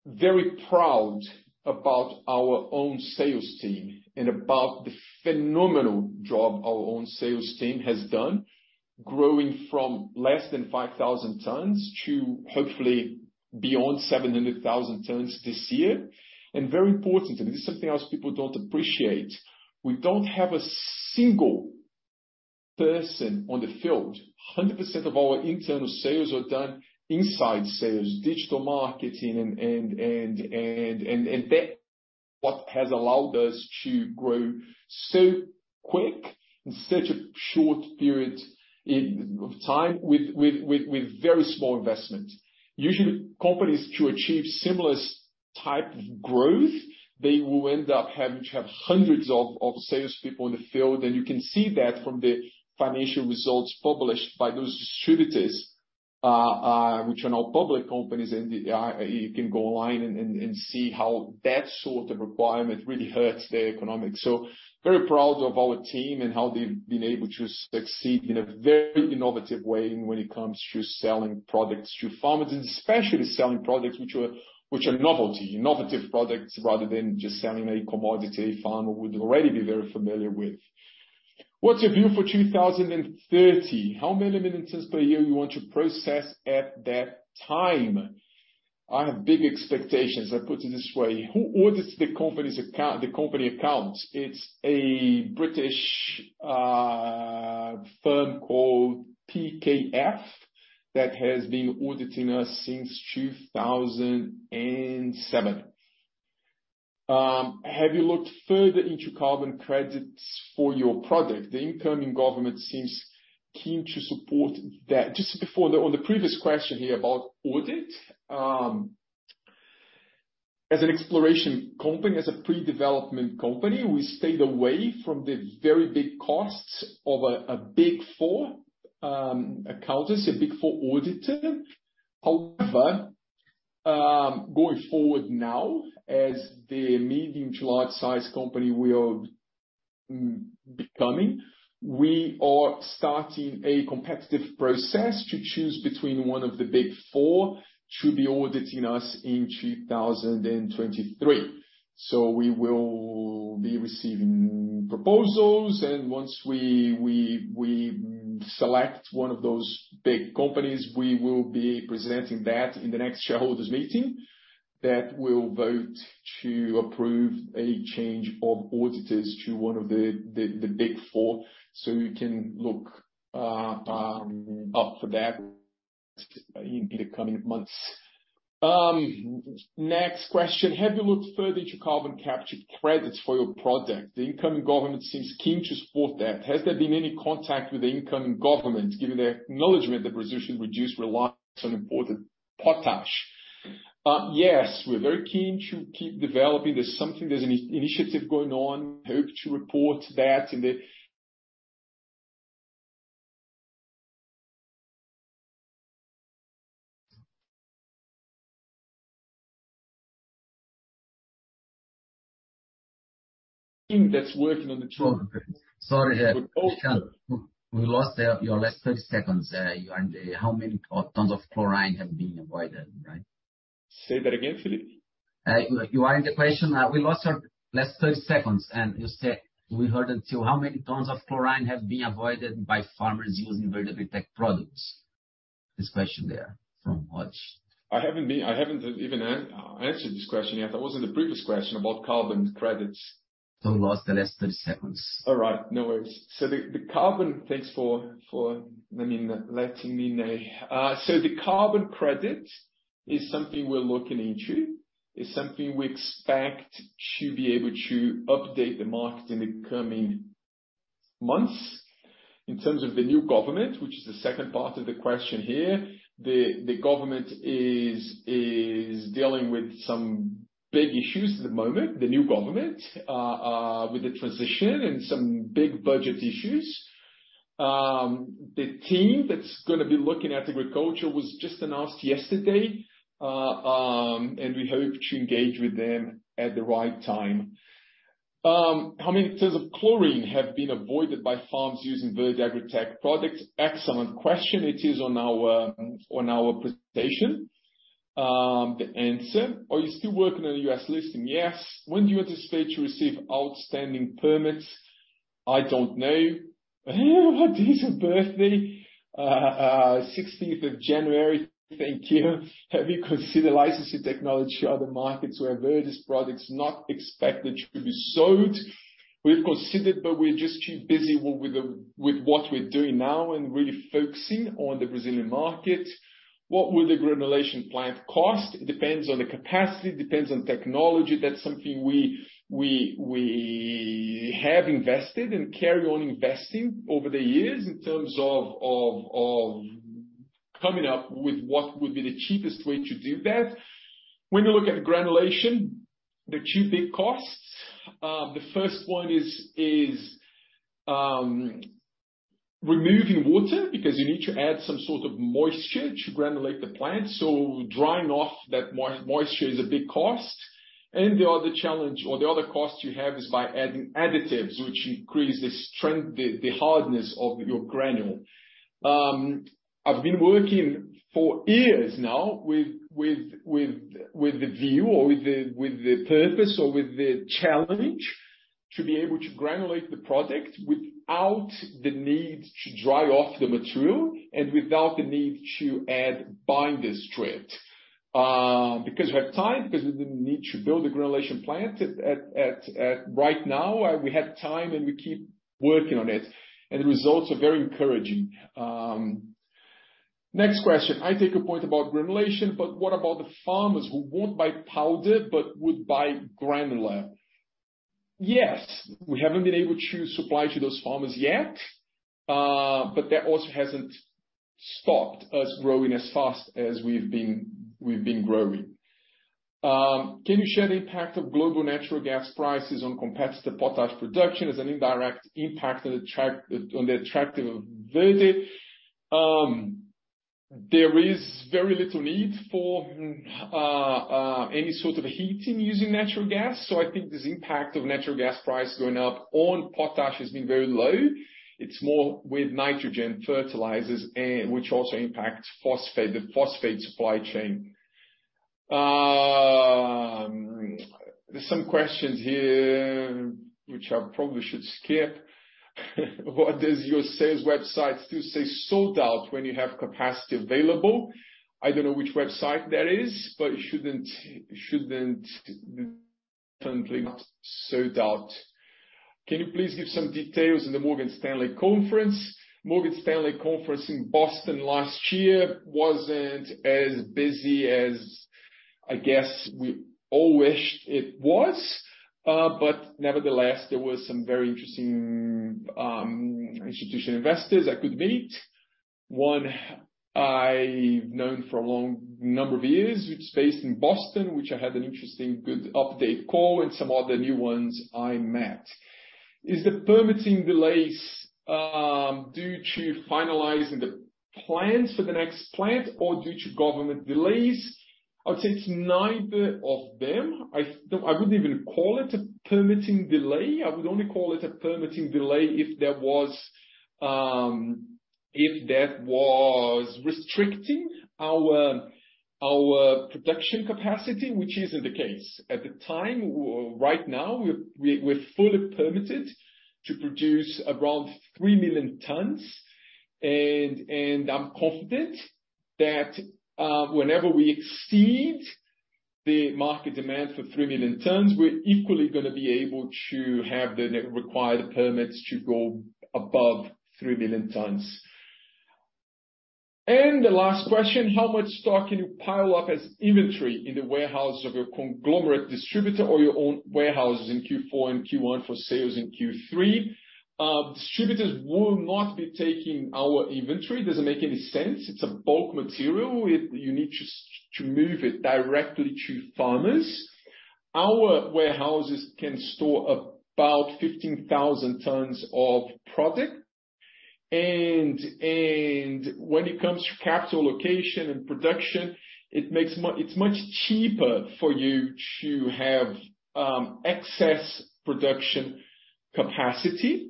very proud about our own sales team and about the phenomenal job our own sales team has done growing from less than 5,000 tons to hopefully beyond 700,000 tons this year. Very importantly, this is something else people don't appreciate, we don't have a single person on the field, and 100% of our internal sales are done inside sales, digital marketing and that what has allowed us to grow so quick in such a short period of time with very small investment. Usually companies to achieve similar type of growth, they will end up having to have hundreds of sales people in the field. You can see that from the financial results published by those distributors, which are now public companies. You can go online and see how that sort of requirement really hurts their economics. Very proud of our team and how they've been able to succeed in a very innovative way when it comes to selling products to farmers, and especially selling products which are novelty, innovative products, rather than just selling a commodity farmer would already be very familiar with. What's your view for 2030? How many million tons per year you want to process at that time? I have big expectations. I put it this way. Who audits the company accounts? It's a British firm called PKF that has been auditing us since 2007. Have you looked further into carbon credits for your product? The incoming government seems keen to support that. Just before on the previous question here about audit, as an exploration company, as a pre-development company, we stayed away from the very big costs of Big Four accountants, a Big Four auditor. However, going forward now as the medium to large size company we are becoming, we are starting a competitive process to choose between one of the Big Four to be auditing us in 2023. We will be receiving proposals, and once we select one of those big companies, we will be presenting that in the next shareholders meeting that will vote to approve a change of auditors to one of the Big Four. You can look out for that in the coming months. Next question. Have you looked further into carbon capture credits for your product? The incoming government seems keen to support that. Has there been any contact with the incoming government, given the acknowledgment that Brazil should reduce reliance on imported potash? Yes. We're very keen to keep developing. There's an initiative going on. Hope to report that in the team that's working. Sorry. We lost your last 30 seconds, you and how many tons of chlorine have been avoided, right? Say that again, Felipe. You are in the question. We lost our last 30 seconds, and you said we heard until, how many tons of chlorine have been avoided by farmers using Verde AgriTech products? This question there from Hodge. I haven't even answered this question yet. That was in the previous question about carbon credits. We lost the last 30 seconds. All right. No worries. Thanks for letting me know. The carbon credit is something we're looking into. It's something we expect to be able to update the market in the coming months. In terms of the new government, which is the second part of the question here, the government is dealing with some big issues at the moment, the new government with the transition and some big budget issues. The team that's gonna be looking at agriculture was just announced yesterday, and we hope to engage with them at the right time. How many tons of chloride have been avoided by farms using Verde AgriTech products? Excellent question. It is on our presentation, the answer. Are you still working on a U.S. listing? Yes. When do you anticipate to receive outstanding permits? I don't know. What is your birthday? Sixteenth of January. Thank you. Have you considered licensing technology to other markets where Verde's product is not expected to be sold? We've considered, but we're just too busy with what we're doing now and really focusing on the Brazilian market. What will the granulation plant cost? It depends on the capacity, it depends on technology. That's something we have invested and carry on investing over the years in terms of coming up with what would be the cheapest way to do that. When you look at granulation, the two big costs, the first point is removing water because you need to add some sort of moisture to granulate the plant. Drying off that moisture is a big cost. The other challenge or the other cost you have is by adding additives, which increase the strength, the hardness of your granule. I've been working for years now with the view or with the purpose or with the challenge to be able to granulate the product without the need to dry off the material and without the need to add binders to it. Because we have time, we didn't need to build a granulation plant. Right now, we have time, and we keep working on it, and the results are very encouraging. Next question. I take your point about granulation, but what about the farmers who won't buy powder but would buy granular? Yes. We haven't been able to supply to those farmers yet, but that also hasn't stopped us growing as fast as we've been growing. Can you share the impact of global natural gas prices on competitor potash production as an indirect impact on the attractive Verde? There is very little need for any sort of heating using natural gas, so I think this impact of natural gas price going up on potash has been very low. It's more with nitrogen fertilizers and which also impacts the phosphate supply chain. There's some questions here which I probably should skip. What does your sales website say sold out when you have capacity available? I don't know which website that is, but it shouldn't, certainly not sold out. Can you please give some details on the Morgan Stanley conference? Morgan Stanley conference in Boston last year wasn't as busy as I guess we all wished it was. Nevertheless, there was some very interesting institutional investors I could meet. One I've known for a long number of years, which is based in Boston, which I had an interesting good update call and some other new ones I met. Is the permitting delays due to finalizing the plans for the next plant or due to government delays? I would say it's neither of them. I wouldn't even call it a permitting delay. I would only call it a permitting delay if that was restricting our production capacity, which isn't the case. At the time, right now, we're fully permitted to produce around 3 million tons, and I'm confident that, whenever we exceed the market demand for 3 million tons, we're equally gonna be able to have the required permits to go above 3 million tons. The last question, how much stock can you pile up as inventory in the warehouse of your conglomerate distributor or your own warehouses in Q4 and Q1 for sales in Q3? Distributors will not be taking our inventory. Doesn't make any sense. It's a bulk material. You need to move it directly to farmers. Our warehouses can store about 15,000 tons of product. When it comes to capital allocation and production, it's much cheaper for you to have excess production capacity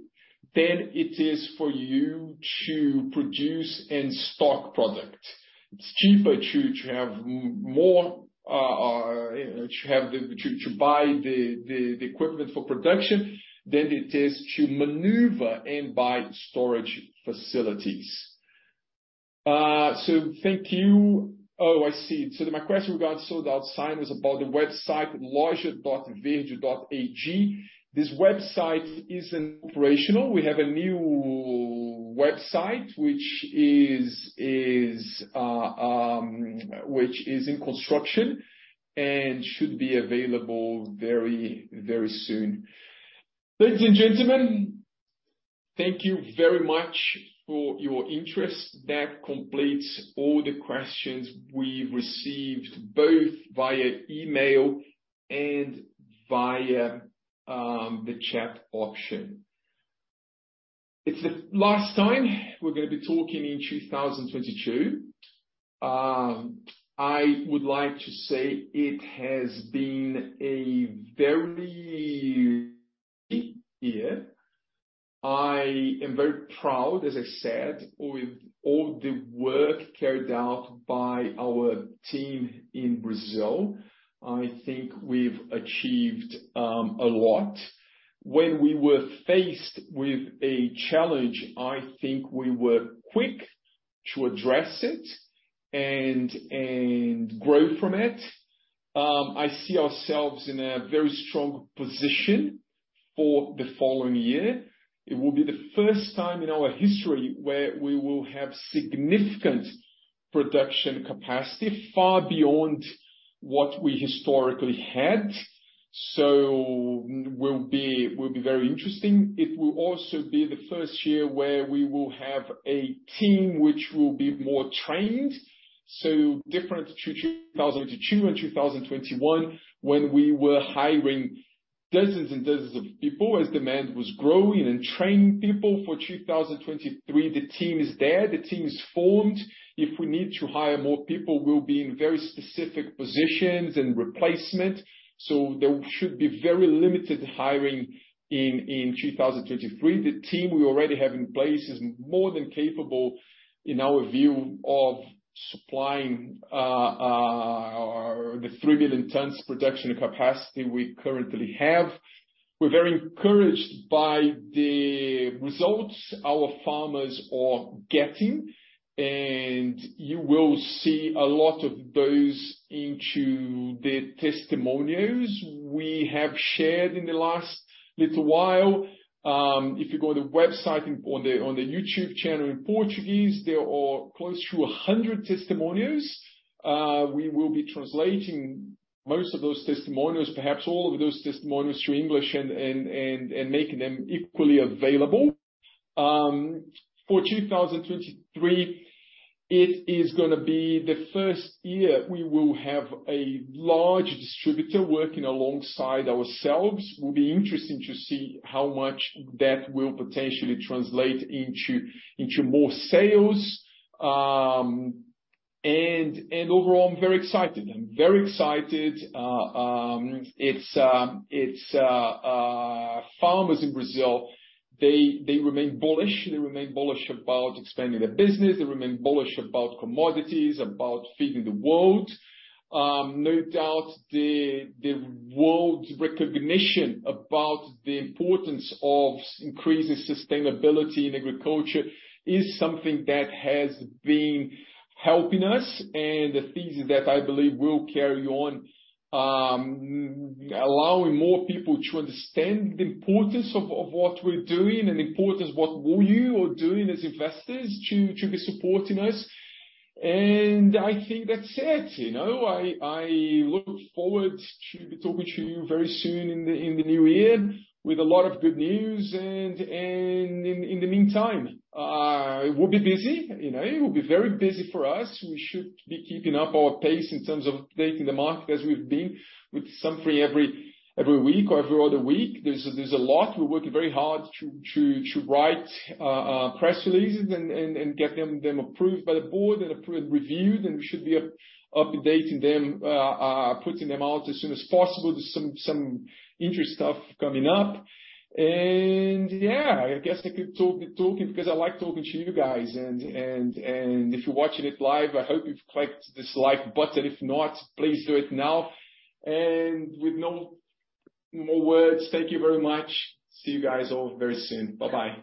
than it is for you to produce and stock product. It's cheaper to have more to buy the equipment for production than it is to maneuver and buy storage facilities. Thank you. Oh, I see. My question regarding sold-out sign is about the website loja.verde.ag. This website isn't operational. We have a new website which is in construction and should be available very, very soon. Ladies and gentlemen, thank you very much for your interest. That completes all the questions we've received, both via email and via the chat option. It's the last time we're gonna be talking in 2022. I would like to say it has been a very year. I am very proud, as I said, with all the work carried out by our team in Brazil. I think we've achieved a lot. When we were faced with a challenge, I think we were quick to address it and grow from it. I see ourselves in a very strong position for the following year. It will be the first time in our history where we will have significant production capacity far beyond what we historically had. It will be very interesting. It will also be the first year where we will have a team which will be more trained, so different to 2002 and 2021, when we were hiring dozens and dozens of people as demand was growing and training people. For 2023, the team is there, the team is formed. If we need to hire more people, we'll be in very specific positions and replacement, so there should be very limited hiring in 2023. The team we already have in place is more than capable, in our view, of supplying the 3 billion tons production capacity we currently have. We're very encouraged by the results our farmers are getting, and you will see a lot of those in the testimonials we have shared in the last little while. If you go on the website on the YouTube channel in Portuguese, there are close to 100 testimonials. We will be translating most of those testimonials, perhaps all of those testimonials to English and making them equally available. For 2023, it is gonna be the first year we will have a large distributor working alongside ourselves. It will be interesting to see how much that will potentially translate into more sales. Overall, I'm very excited. Farmers in Brazil remain bullish about expanding their business. They remain bullish about commodities, about feeding the world. No doubt the world's recognition about the importance of increasing sustainability in agriculture is something that has been helping us and the things that I believe will carry on, allowing more people to understand the importance of what we're doing and the importance what you are doing as investors to be supporting us. I think that's it, you know. I look forward to be talking to you very soon in the new year with a lot of good news. In the meantime, we'll be busy. You know, it will be very busy for us. We should be keeping up our pace in terms of taking the market as we've been with some freight every week or every other week. There's a lot. We're working very hard to write press releases and get them approved by the board and reviewed, and we should be updating them, putting them out as soon as possible. There's some interesting stuff coming up. Yeah, I guess I could talk because I like talking to you guys. If you're watching it live, I hope you've clicked this like button. If not, please do it now. With no more words, thank you very much. See you guys all very soon. Bye-bye.